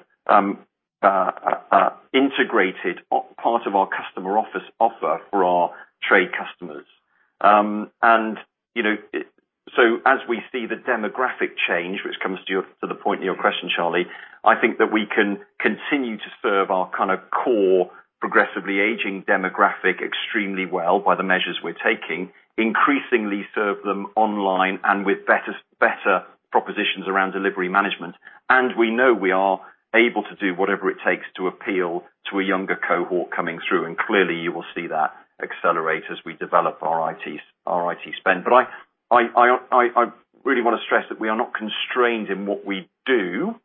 integrated part of our customer office offer for our trade customers. As we see the demographic change, which comes to the point of your question, Charlie, I think that we can continue to serve our kind of core, progressively aging demographic extremely well by the measures we're taking, increasingly serve them online and with better propositions around delivery management. We know we are able to do whatever it takes to appeal to a younger cohort coming through. Clearly, you will see that accelerate as we develop our IT spend. I really want to stress that we are not constrained in what we do,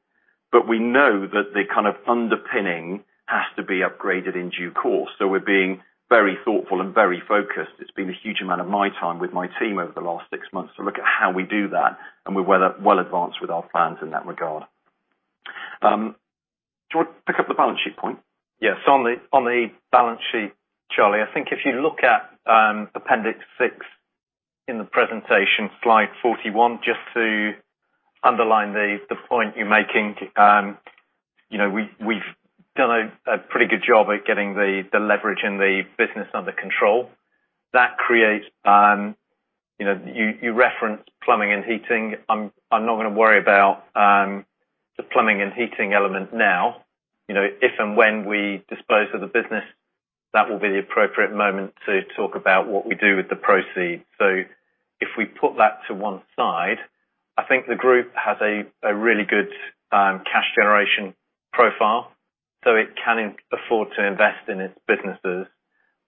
but we know that the kind of underpinning has to be upgraded in due course. We're being very thoughtful and very focused. It's been a huge amount of my time with my team over the last six months to look at how we do that, and we're well advanced with our plans in that regard. Do you want to pick up the balance sheet point? Yes. On the balance sheet, Charlie, I think if you look at appendix six in the presentation, slide 41, just to underline the point you're making. We've done a pretty good job at getting the leverage in the business under control. You referenced Plumbing & Heating. I'm not going to worry about the Plumbing & Heating element now. If and when we dispose of the business, that will be the appropriate moment to talk about what we do with the proceeds. If we put that to one side, I think the group has a really good cash generation profile, so it can afford to invest in its businesses,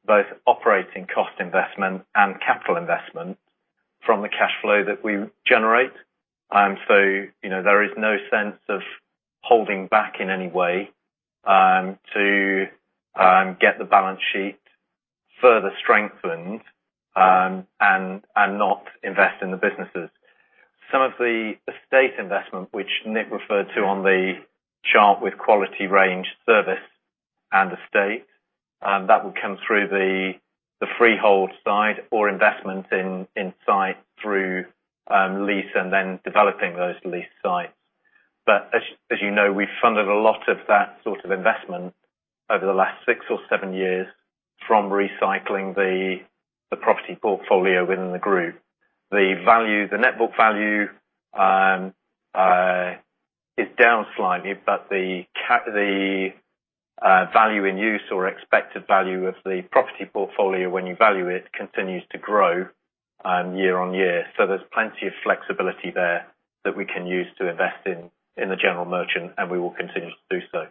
both operating cost investment and capital investment from the cash flow that we generate. There is no sense of holding back in any way to get the balance sheet further strengthened and not invest in the businesses. Some of the estate investment, which Nick referred to on the chart with quality range service and estate, that would come through the freehold side or investment in site through lease and then developing those lease sites. As you know, we funded a lot of that sort of investment over the last six or seven years from recycling the property portfolio within the group. The net book value is down slightly, but the value in use or expected value of the property portfolio when you value it continues to grow year on year. There's plenty of flexibility there that we can use to invest in the general merchant, and we will continue to do so.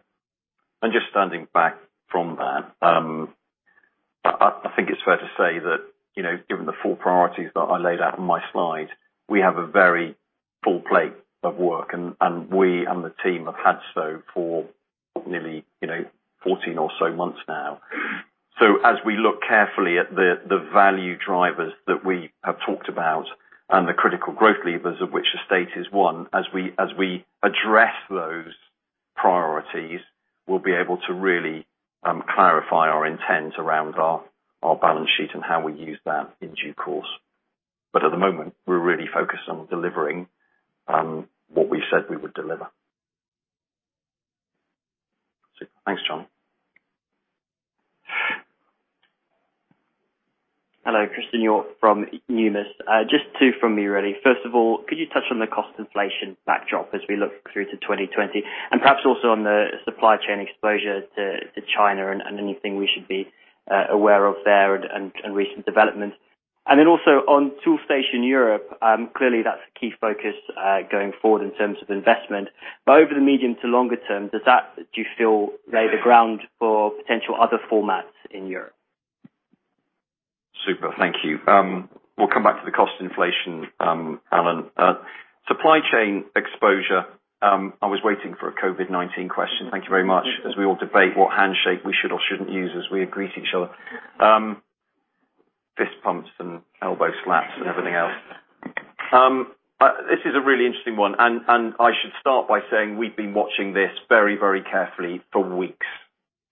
Just standing back from that, I think it's fair to say that, given the four priorities that I laid out in my slide, we have a very full plate of work, and we and the team have had so for nearly 14 or so months now. As we look carefully at the value drivers that we have talked about and the critical growth levers of which estate is one, as we address those priorities, we'll be able to really clarify our intent around our balance sheet and how we use that in due course. At the moment, we're really focused on delivering what we said we would deliver. Super. Thanks, John. Hello, Christian York from UBS. Just two from me, really. First of all, could you touch on the cost inflation backdrop as we look through to 2020, and perhaps also on the supply chain exposure to China and anything we should be aware of there and recent developments. Also on Toolstation Europe, clearly that's a key focus going forward in terms of investment. Over the medium to longer term, does that, do you feel, lay the ground for potential other formats in Europe? Super, thank you. We'll come back to the cost inflation, Alan. Supply chain exposure, I was waiting for a COVID-19 question. Thank you very much. We all debate what handshake we should or shouldn't use as we greet each other. Fist bumps and elbow slaps and everything else. This is a really interesting one. I should start by saying we've been watching this very carefully for weeks,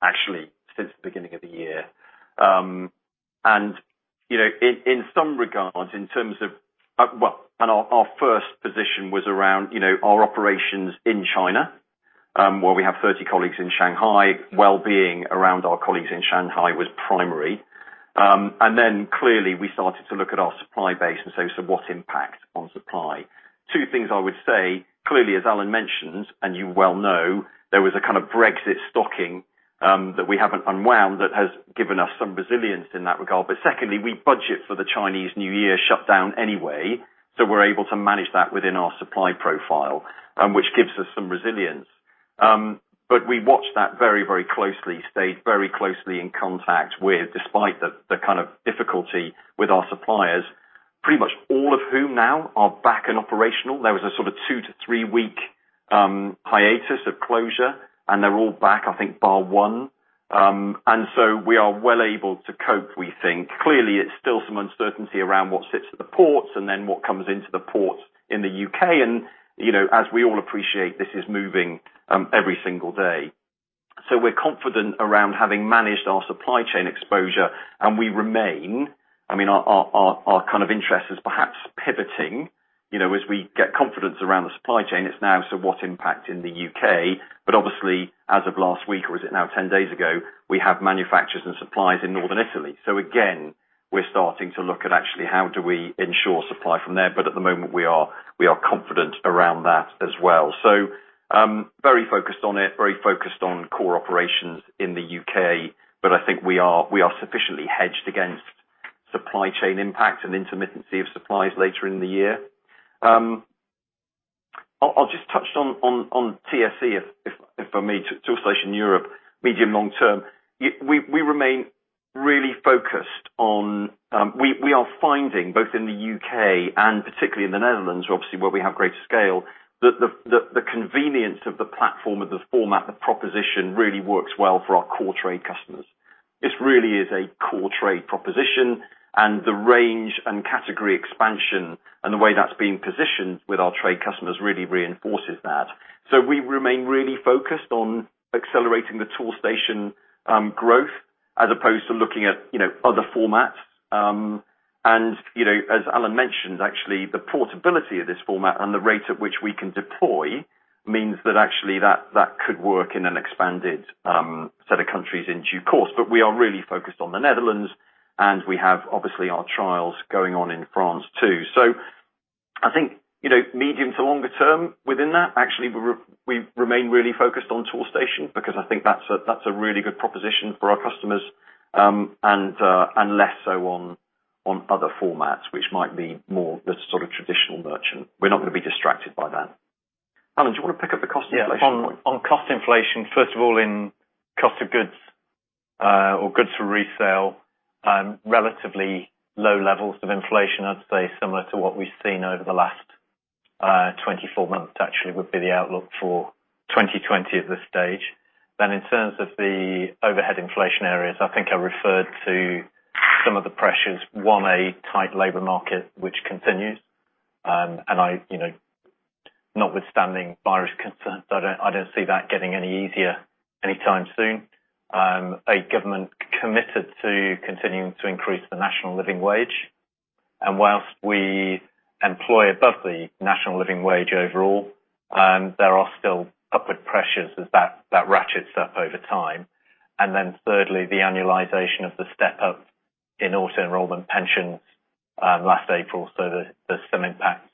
actually, since the beginning of the year. In some regards, our first position was around our operations in China, where we have 30 colleagues in Shanghai. Wellbeing around our colleagues in Shanghai was primary. Clearly, we started to look at our supply base. What impact on supply? Two things I would say, clearly, as Alan mentioned, and you well know, there was a kind of Brexit stocking that we haven't unwound that has given us some resilience in that regard. Secondly, we budget for the Chinese New Year shutdown anyway, so we're able to manage that within our supply profile, which gives us some resilience. We watched that very closely, stayed very closely in contact with, despite the kind of difficulty with our suppliers, pretty much all of whom now are back and operational. There was a sort of two to three-week hiatus of closure. They're all back, I think, bar one. We are well able to cope, we think. Clearly, it's still some uncertainty around what sits at the ports and then what comes into the port in the U.K. As we all appreciate, this is moving every single day. We're confident around having managed our supply chain exposure, and we remain, our kind of interest is perhaps pivoting, as we get confidence around the supply chain. It's now, what impact in the U.K.? Obviously, as of last week, or is it now 10 days ago, we have manufacturers and suppliers in northern Italy. Again, we're starting to look at actually how do we ensure supply from there. At the moment, we are confident around that as well. Very focused on it, very focused on core operations in the U.K., but I think we are sufficiently hedged against supply chain impact and intermittency of supplies later in the year. I'll just touch on TSE, if I may, Toolstation Europe, medium long term. We remain really focused, we are finding, both in the U.K. and particularly in the Netherlands, obviously where we have greater scale, that the convenience of the platform, of the format, the proposition really works well for our core trade customers. This really is a core trade proposition, and the range and category expansion and the way that's being positioned with our trade customers really reinforces that. We remain really focused on accelerating the Toolstation growth as opposed to looking at other formats. As Alan mentioned, actually, the portability of this format and the rate at which we can deploy means that actually that could work in an expanded set of countries in due course. We are really focused on the Netherlands, and we have obviously our trials going on in France too. I think, medium to longer term within that, actually, we remain really focused on Toolstation because I think that's a really good proposition for our customers, and less so on other formats, which might be more the sort of traditional merchant. We're not going to be distracted by that. Alan, do you want to pick up the cost inflation point? Yeah. On cost inflation, first of all, in cost of goods or goods for resale, relatively low levels of inflation, I'd say similar to what we've seen over the last 24 months actually would be the outlook for 2020 at this stage. In terms of the overhead inflation areas, I think I referred to some of the pressures. One, a tight labor market, which continues. Notwithstanding virus concerns, I don't see that getting any easier anytime soon. A government committed to continuing to increase the National Living Wage. Whilst we employ above the National Living Wage overall, there are still upward pressures as that ratchets up over time. Thirdly, the annualization of the step-up in auto-enrollment pensions last April, there's some impact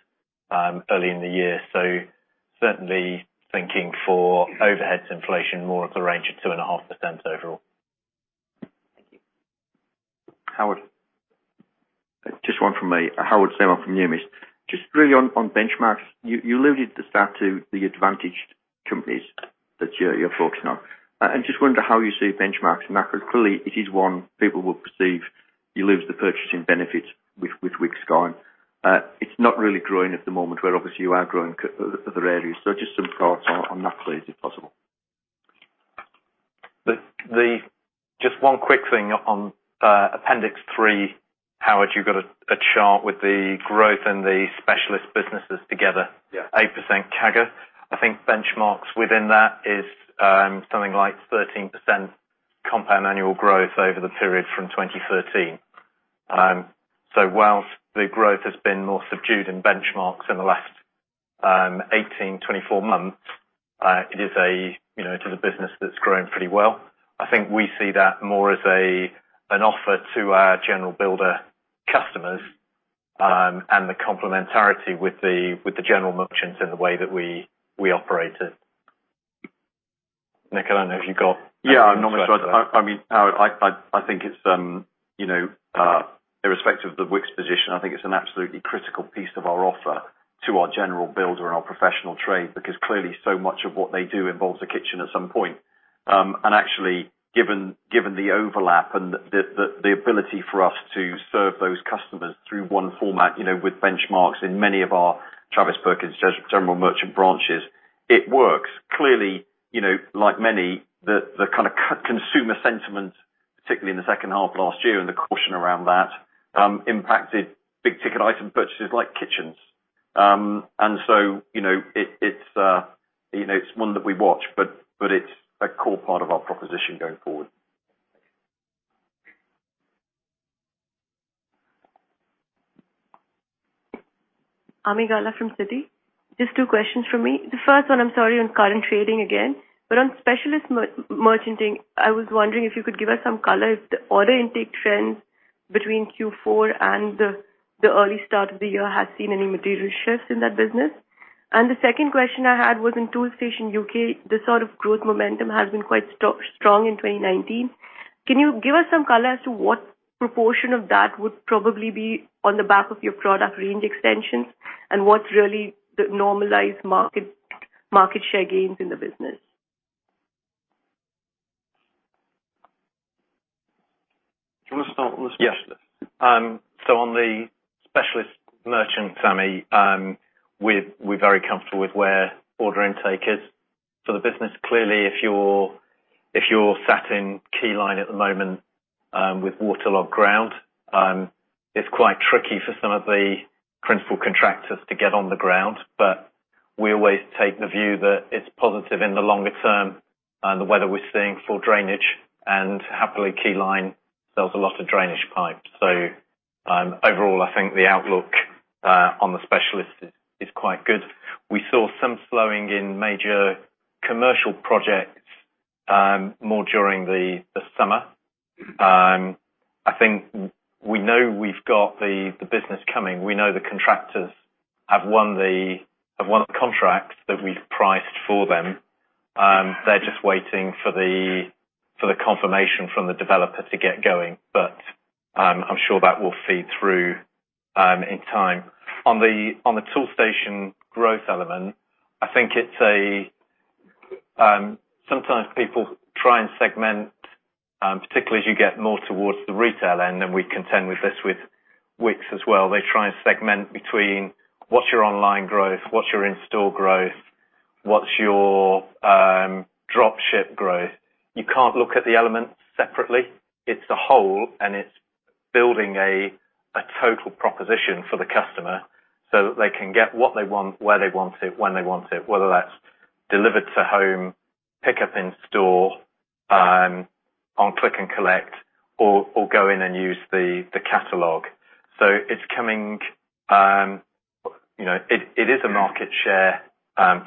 early in the year. Certainly thinking for overheads inflation, more of the range of 2.5% overall. Thank you. Howard? Just one from me. Howard Salmon from Numis. Just really on Benchmarx, you alluded at the start to the advantaged companies that you're focusing on. I just wonder how you see Benchmarx macro. Clearly, it is one people will perceive you lose the purchasing benefits with Wickes going. It's not really growing at the moment where obviously you are growing other areas. Just some thoughts on that please, if possible. Just one quick thing on appendix three, Howard, you've got a chart with the growth and the specialist businesses together. Yeah. 8% CAGR. I think Benchmarx within that is something like 13% compound annual growth over the period from 2013. Whilst the growth has been more subdued in Benchmarx in the last 18, 24 months, it is a business that's grown pretty well. I think we see that more as an offer to our general builder customers, and the complementarity with the general merchants in the way that we operate it. Nick, I don't know if you. Yeah. I mean, Howard, I think irrespective of the Wickes position, I think it's an absolutely critical piece of our offer to our general builder and our professional trade, because clearly so much of what they do involves a kitchen at some point. Actually, given the overlap and the ability for us to serve those customers through one format, with Benchmarx in many of our Travis Perkins general merchant branches, it works. Clearly, like many, the kind of consumer sentiment, particularly in the second half of last year and the caution around that, impacted big ticket item purchases like kitchens. It's one that we watch, but it's a core part of our proposition going forward. Ami Galla from Citi. Just two questions from me. The first one, I'm sorry, on current trading again, but on specialist merchanting, I was wondering if you could give us some color if the order intake trends between Q4 and the early start of the year has seen any material shifts in that business. The second question I had was in Toolstation UK, the sort of growth momentum has been quite strong in 2019. Can you give us some color as to what proportion of that would probably be on the back of your product range extensions and what's really the normalized market share gains in the business? Do you want to start with the specialist? Yes. On the specialist merchant, Ami, we're very comfortable with where order intake is for the business. Clearly, if you're sat in Keyline at the moment with waterlogged ground, it's quite tricky for some of the principal contractors to get on the ground. We always take the view that it's positive in the longer term, the weather we're seeing for drainage, and happily, Keyline sells a lot of drainage pipe. Overall, I think the outlook on the specialist is quite good. We saw some slowing in major commercial projects more during the summer. I think we know we've got the business coming. We know the contractors have won contracts that we've priced for them. They're just waiting for the confirmation from the developer to get going, but I'm sure that will feed through in time. On the Toolstation growth element, I think sometimes people try and segment, particularly as you get more towards the retail end, and we contend with this with Wickes as well. They try and segment between what's your online growth, what's your in-store growth, what's your drop ship growth. You can't look at the elements separately. It's the whole, and it's building a total proposition for the customer so that they can get what they want, where they want it, when they want it, whether that's delivered to home, pick up in store, on click and collect, or go in and use the catalog. It is a market share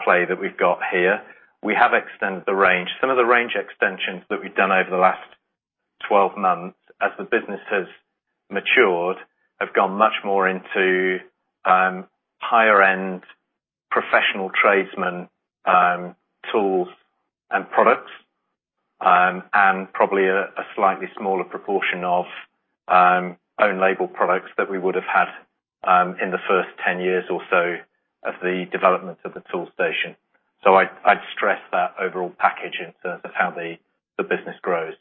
play that we've got here. We have extended the range. Some of the range extensions that we've done over the last 12 months as the business has matured have gone much more into higher end professional tradesman tools and products, and probably a slightly smaller proportion of own label products that we would have had in the first 10 years or so of the development of the Toolstation. I'd stress that overall package in terms of how the business grows.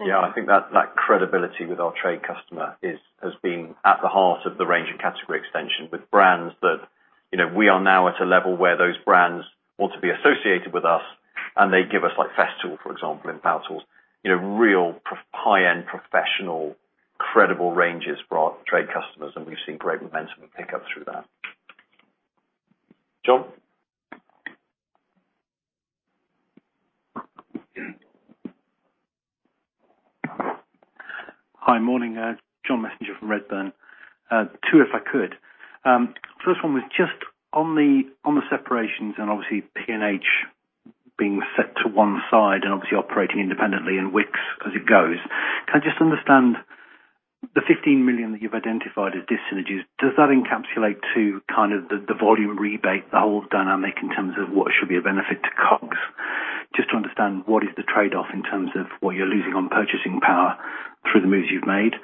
Yeah, I think that credibility with our trade customer has been at the heart of the range and category extension with brands that we are now at a level where those brands want to be associated with us and they give us, like Festool, for example, and Power Tools, real high-end professional credible ranges for our trade customers, and we've seen great momentum and pickup through that. John? Hi. Morning. John Messenger from Redburn. Two, if I could. First one was just on the separations and obviously P&H being set to one side and obviously operating independently and Wickes as it goes. Can I just understand. The 15 million that you've identified as dis-synergies, does that encapsulate to kind of the volume rebate, the whole dynamic in terms of what should be a benefit to COGS? Just to understand what is the trade-off in terms of what you're losing on purchasing power through the moves you've made.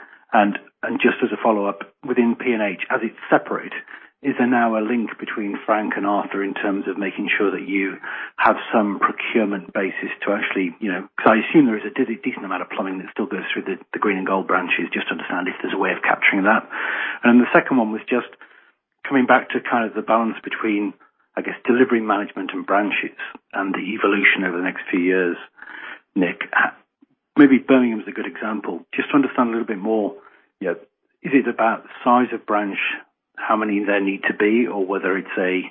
Just as a follow-up, within P&H, as it's separate, is there now a link between Frank and Arthur in terms of making sure that you have some procurement basis to actually. Because I assume there is a decent amount of plumbing that still goes through the green and gold branches, just to understand if there's a way of capturing that. The second one was just coming back to kind of the balance between, I guess, delivery management and branches and the evolution over the next few years, Nick. Maybe Birmingham is a good example. Just to understand a little bit more, is it about size of branch, how many there need to be, or whether it's a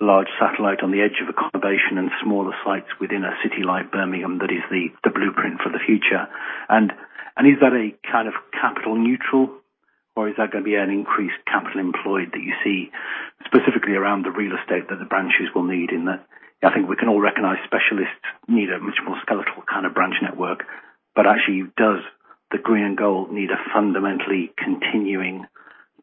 large satellite on the edge of accommodation and smaller sites within a city like Birmingham that is the blueprint for the future? Is that a kind of capital neutral or is that going to be an increased capital employed that you see specifically around the real estate that the branches will need in that? I think we can all recognize specialists need a much more skeletal kind of branch network. Actually, does the green and gold need a fundamentally continuing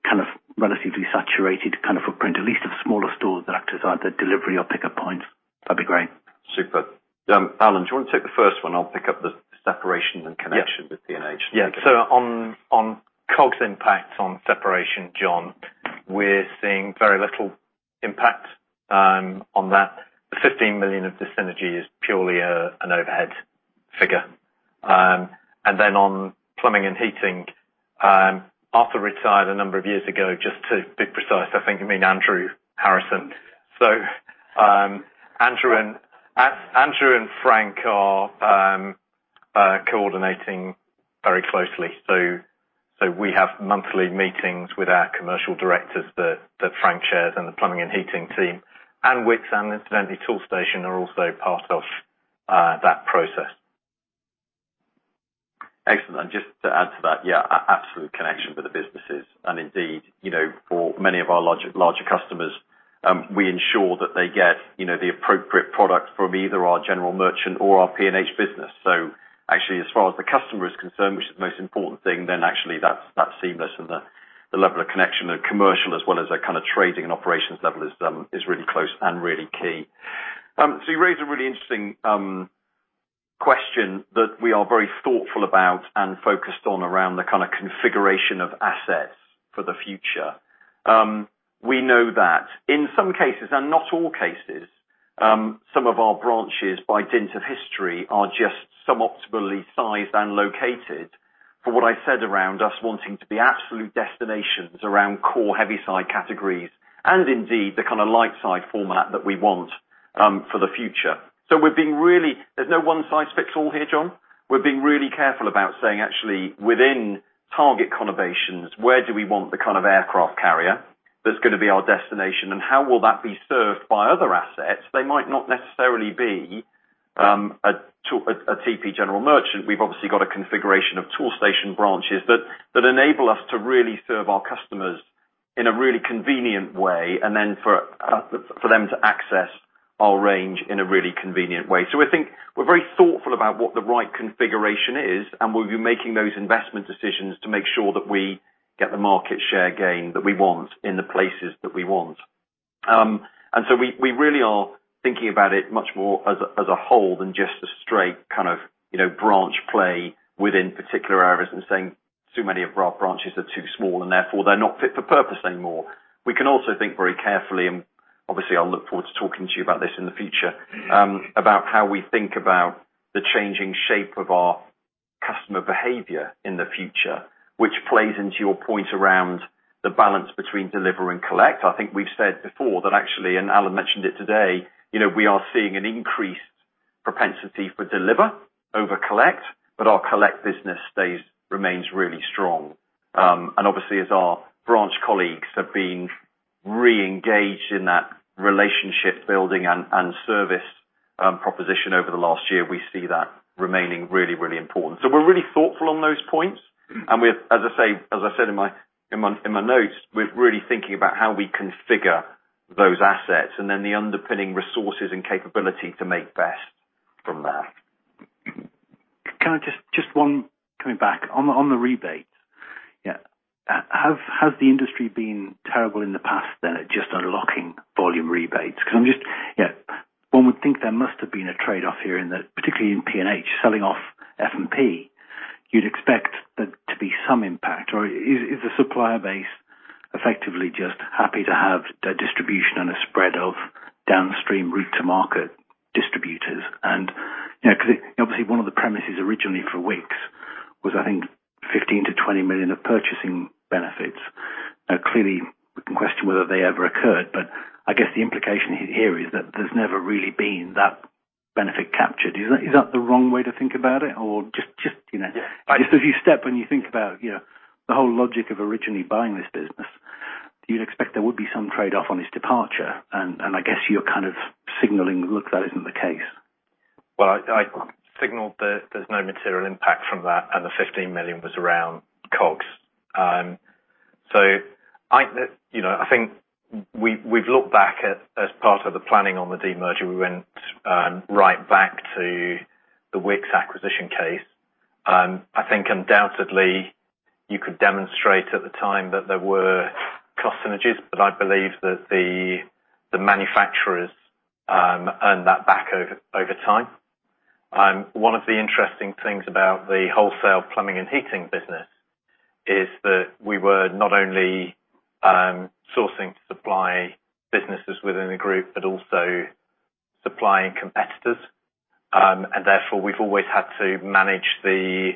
kind of relatively saturated kind of footprint, at least of smaller stores that act as either delivery or pickup points? That'd be great. Super. Alan, do you want to take the first one? I'll pick up the separation and connection with P&H. Yeah. On COGS impact on separation, John, we are seeing very little impact on that. The 15 million of dis-synergy is purely an overhead figure. On plumbing and heating, Andrew retired a number of years ago, just to be precise, I think you mean Andrew Harrison. Andrew and Frank are coordinating very closely. We have monthly meetings with our commercial directors that Frank chairs and the plumbing and heating team, and Wickes and incidentally Toolstation are also part of that process. Excellent. Just to add to that, yeah, absolute connection for the businesses. Indeed, for many of our larger customers, we ensure that they get the appropriate product from either our general merchant or our P&H business. Actually, as far as the customer is concerned, which is the most important thing, then actually that's seamless and the level of connection and commercial as well as a kind of trading and operations level is really close and really key. You raised a really interesting question that we are very thoughtful about and focused on around the kind of configuration of assets for the future. We know that in some cases and not all cases, some of our branches by dint of history are just sub-optimally sized and located for what I said around us wanting to be absolute destinations around core heavy side categories and indeed the kind of light side format that we want for the future. There's no one-size-fits-all here, John. We're being really careful about saying actually within target conurbations, where do we want the kind of aircraft carrier that's going to be our destination and how will that be served by other assets? They might not necessarily be a TP general merchant. We've obviously got a configuration of Toolstation branches that enable us to really serve our customers in a really convenient way and then for them to access our range in a really convenient way. I think we're very thoughtful about what the right configuration is, and we'll be making those investment decisions to make sure that we get the market share gain that we want in the places that we want. We really are thinking about it much more as a whole than just a straight kind of branch play within particular areas and saying too many of our branches are too small and therefore they're not fit for purpose anymore. We can also think very carefully, and obviously, I'll look forward to talking to you about this in the future, about how we think about the changing shape of our customer behavior in the future, which plays into your point around the balance between deliver and collect. I think we've said before that actually, Alan mentioned it today, we are seeing an increased propensity for deliver over collect, our collect business remains really strong. Obviously as our branch colleagues have been re-engaged in that relationship building and service proposition over the last year, we see that remaining really, really important. We're really thoughtful on those points. As I said in my notes, we're really thinking about how we configure those assets and then the underpinning resources and capability to make best from that. Coming back on the rebates. Has the industry been terrible in the past at just unlocking volume rebates? One would think there must have been a trade-off here in that, particularly in P&H, selling off F&P, you'd expect there to be some impact, or is the supplier base effectively just happy to have a distribution and a spread of downstream route to market distributors? Obviously one of the premises originally for Wickes was, I think, 15 million-20 million of purchasing benefits. Clearly, we can question whether they ever occurred. I guess the implication here is that there's never really been that benefit captured. Is that the wrong way to think about it? Yeah If you step and you think about the whole logic of originally buying this business, you'd expect there would be some trade-off on his departure, and I guess you're kind of signaling, look, that isn't the case. I signaled that there's no material impact from that and the GBP 15 million was around COGS. I think we've looked back as part of the planning on the de-merger. We went right back to the Wickes acquisition case. I think undoubtedly you could demonstrate at the time that there were cost synergies, but I believe that the manufacturers earned that back over time. One of the interesting things about the wholesale Plumbing & Heating business is that we were not only sourcing to supply businesses within the group, but also supplying competitors. Therefore, we've always had to manage the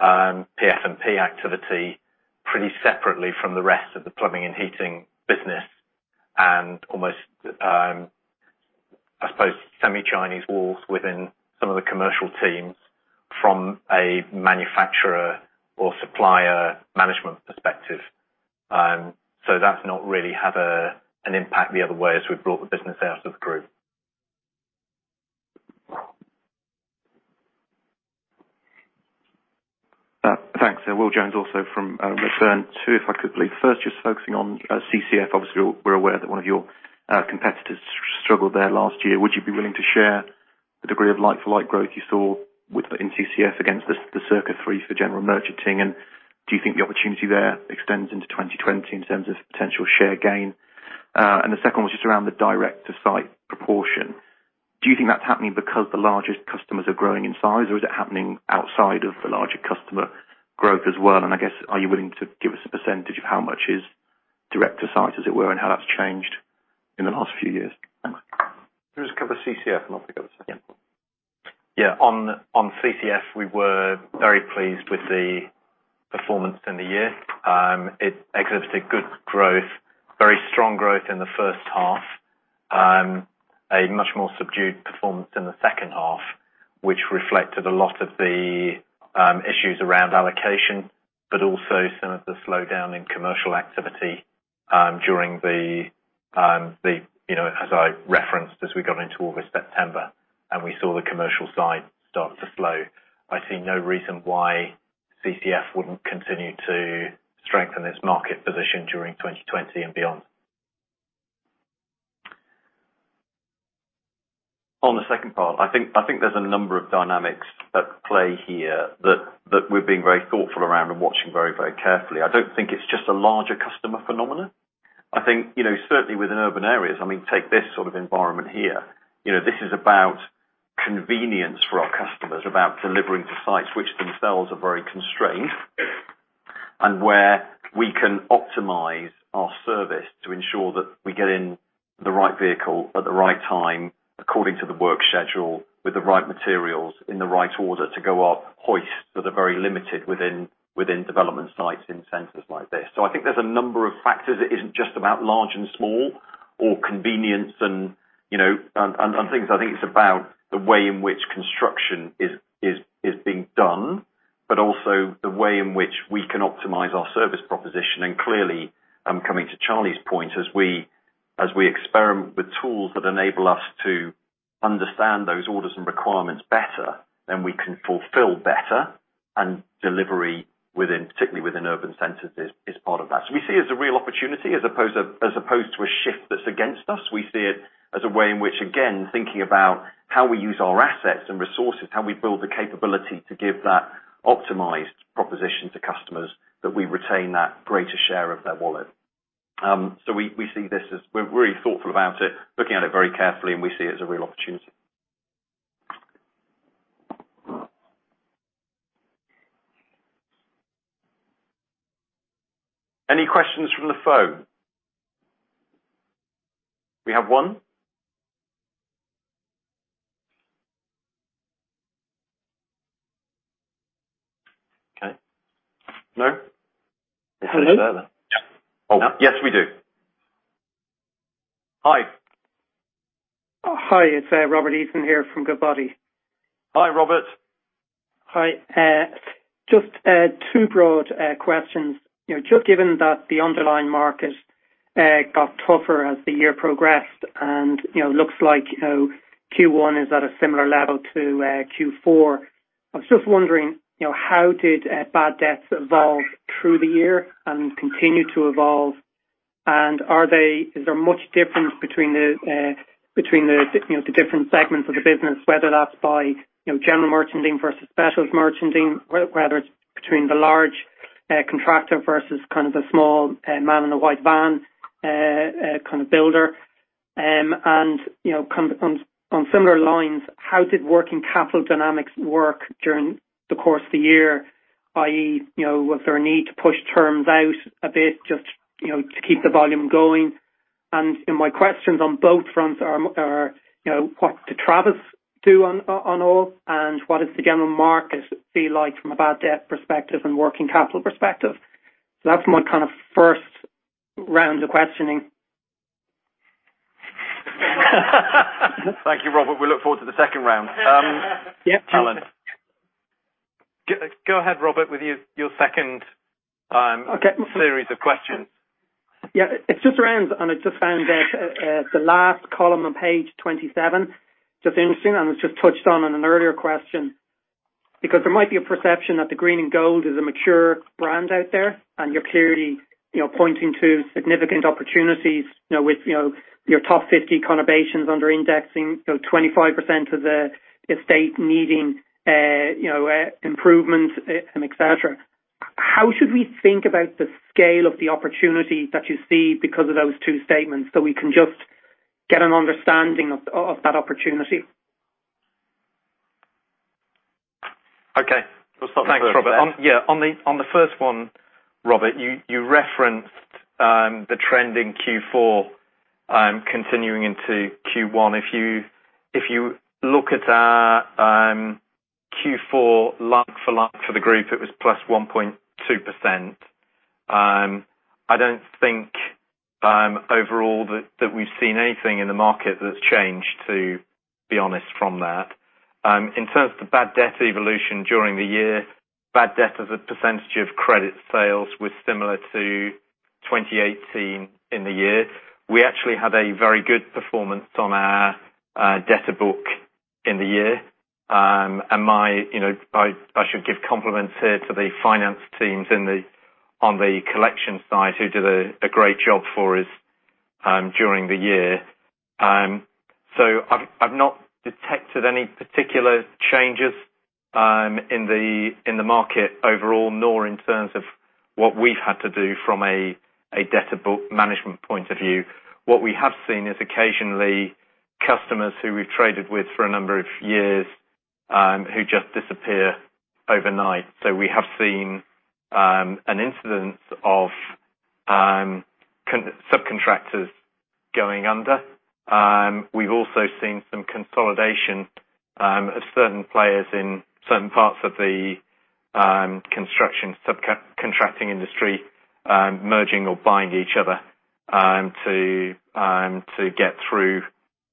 PFMP activity pretty separately from the rest of the Plumbing & Heating business, and almost I suppose semi-Chinese walls within some of the commercial teams from a manufacturer or supplier management perspective. That's not really had an impact the other way as we've brought the business out of the group. Thanks. Will Jones also from Redburn too, if I could please. First, just focusing on CCF, obviously we're aware that one of your competitors struggled there last year. Would you be willing to share the degree of like-for-like growth you saw within CCF against the circa threes for general merchanting, and do you think the opportunity there extends into 2020 in terms of potential share gain? The second was just around the direct-to-site proportion. Do you think that's happening because the largest customers are growing in size, or is it happening outside of the larger customer growth as well? I guess, are you willing to give us a percentage of how much is direct to site, as it were, and how that's changed in the last few years? Can we just cover CCF and I'll take the other second one. Yeah. Yeah. On CCF, we were very pleased with the performance in the year. It exhibited good growth, very strong growth in the first half, a much more subdued performance in the second half, which reflected a lot of the issues around allocation, but also some of the slowdown in commercial activity during the, as I referenced, as we got into August, September, and we saw the commercial side start to slow. I see no reason why CCF wouldn't continue to strengthen its market position during 2020 and beyond. On the second part, I think there's a number of dynamics at play here that we're being very thoughtful around and watching very carefully. I don't think it's just a larger customer phenomenon. I think, certainly within urban areas, take this sort of environment here. This is about convenience for our customers, about delivering to sites which themselves are very constrained, and where we can optimize our service to ensure that we get in the right vehicle at the right time, according to the work schedule, with the right materials in the right order to go up hoists that are very limited within development sites in centers like this. I think there's a number of factors. It isn't just about large and small or convenience and things. I think it's about the way in which construction is being done, but also the way in which we can optimize our service proposition. Clearly, coming to Charlie's point, as we experiment with tools that enable us to understand those orders and requirements better, then we can fulfill better and delivery, particularly within urban centers, is part of that. We see it as a real opportunity as opposed to a shift that's against us. We see it as a way in which, again, thinking about how we use our assets and resources, how we build the capability to give that optimized proposition to customers, that we retain that greater share of their wallet. We're really thoughtful about it, looking at it very carefully, and we see it as a real opportunity. Any questions from the phone? We have one. Okay. No? Hello? Yes, we do. Hi. Hi, it's Robert Eason here from Goodbody. Hi, Robert. Hi. Just two broad questions. Given that the underlying market got tougher as the year progressed and looks like Q1 is at a similar level to Q4. I was just wondering, how did bad debts evolve through the year and continue to evolve? Is there much difference between the different segments of the business, whether that's by general merchanting versus specials merchanting, whether it's between the large contractor versus kind of the small man in a white van kind of builder? On similar lines, how did working capital dynamics work during the course of the year, i.e., was there a need to push terms out a bit just to keep the volume going? My questions on both fronts are, what did Travis do on all, and what does the general market feel like from a bad debt perspective and working capital perspective? That's my kind of first round of questioning. Thank you, Robert. We look forward to the second round. Yep. Alan. Go ahead, Robert, with your second- Okay series of questions. Yeah. It's just around. I just found that the last column on page 27 just interesting, and it was just touched on in an earlier question. There might be a perception that the green and gold is a mature brand out there, and you're clearly pointing to significant opportunities with your top 50 conurbations under indexing, so 25% of the estate needing improvements, et cetera. How should we think about the scale of the opportunity that you see because of those two statements, so we can just get an understanding of that opportunity? Okay. We'll start with you, Alan. Thanks, Robert. On the first one, Robert, you referenced the trend in Q4 continuing into Q1. If you look at our Q4 like-for-like for the group, it was plus 1.2%. I don't think overall that we've seen anything in the market that's changed, to be honest from that. In terms of the bad debt evolution during the year, bad debt as a percentage of credit sales was similar to 2018 in the year. We actually had a very good performance on our debtor book in the year. I should give compliments here to the finance teams on the collection side, who did a great job for us during the year. I've not detected any particular changes in the market overall, nor in terms of what we've had to do from a debtor book management point of view. What we have seen is occasionally customers who we've traded with for a number of years who just disappear overnight. We have seen an incidence of subcontractors going under. We've also seen some consolidation of certain players in certain parts of the construction subcontracting industry merging or buying each other to get through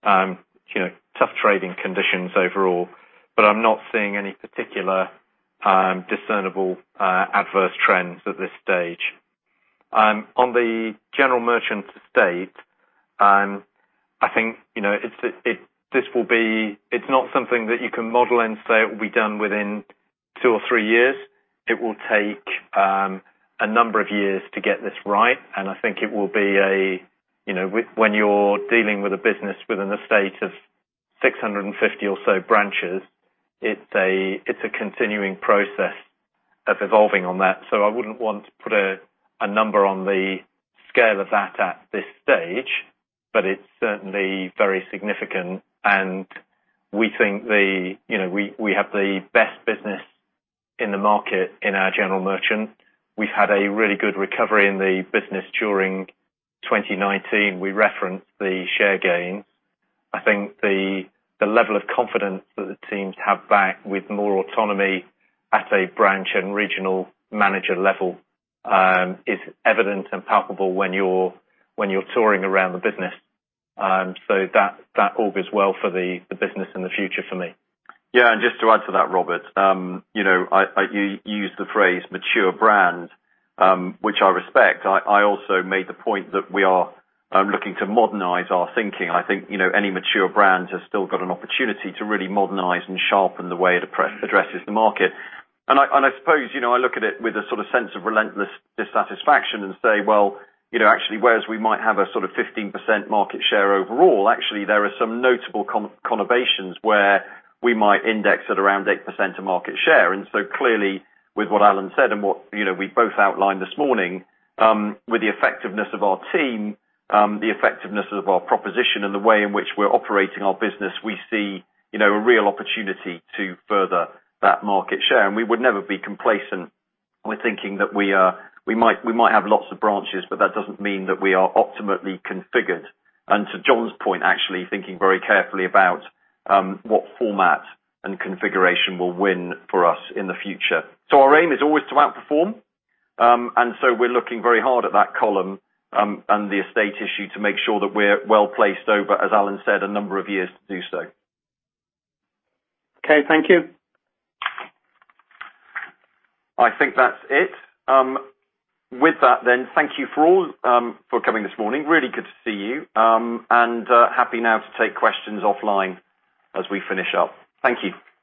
tough trading conditions overall. I'm not seeing any particular discernible adverse trends at this stage. On the general merchant estate, it's not something that you can model and say it will be done within two or three years. It will take a number of years to get this right, and I think when you're dealing with a business with an estate of 650 or so branches, it's a continuing process of evolving on that. I wouldn't want to put a number on the scale of that at this stage, but it's certainly very significant, and we think we have the best business in the market in our general merchant. We've had a really good recovery in the business during 2019. We referenced the share gains. I think the level of confidence that the teams have back with more autonomy at a branch and regional manager level is evident and palpable when you're touring around the business. That all bodes well for the business in the future for me. Yeah, just to add to that, Robert. You used the phrase mature brand, which I respect. I also made the point that we are looking to modernize our thinking. I think any mature brand has still got an opportunity to really modernize and sharpen the way it addresses the market. I suppose I look at it with a sense of relentless dissatisfaction and say, well, actually, whereas we might have a 15% market share overall, actually, there are some notable conurbations where we might index at around 8% of market share. Clearly, with what Alan said and what we both outlined this morning, with the effectiveness of our team, the effectiveness of our proposition and the way in which we're operating our business, we see a real opportunity to further that market share. We would never be complacent with thinking that we might have lots of branches, but that doesn't mean that we are optimally configured. To John's point, actually, thinking very carefully about what format and configuration will win for us in the future. Our aim is always to outperform. We're looking very hard at that column and the estate issue to make sure that we're well-placed over, as Alan said, a number of years to do so. Okay. Thank you. I think that's it. With that, thank you for all for coming this morning. Really good to see you, and happy now to take questions offline as we finish up. Thank you.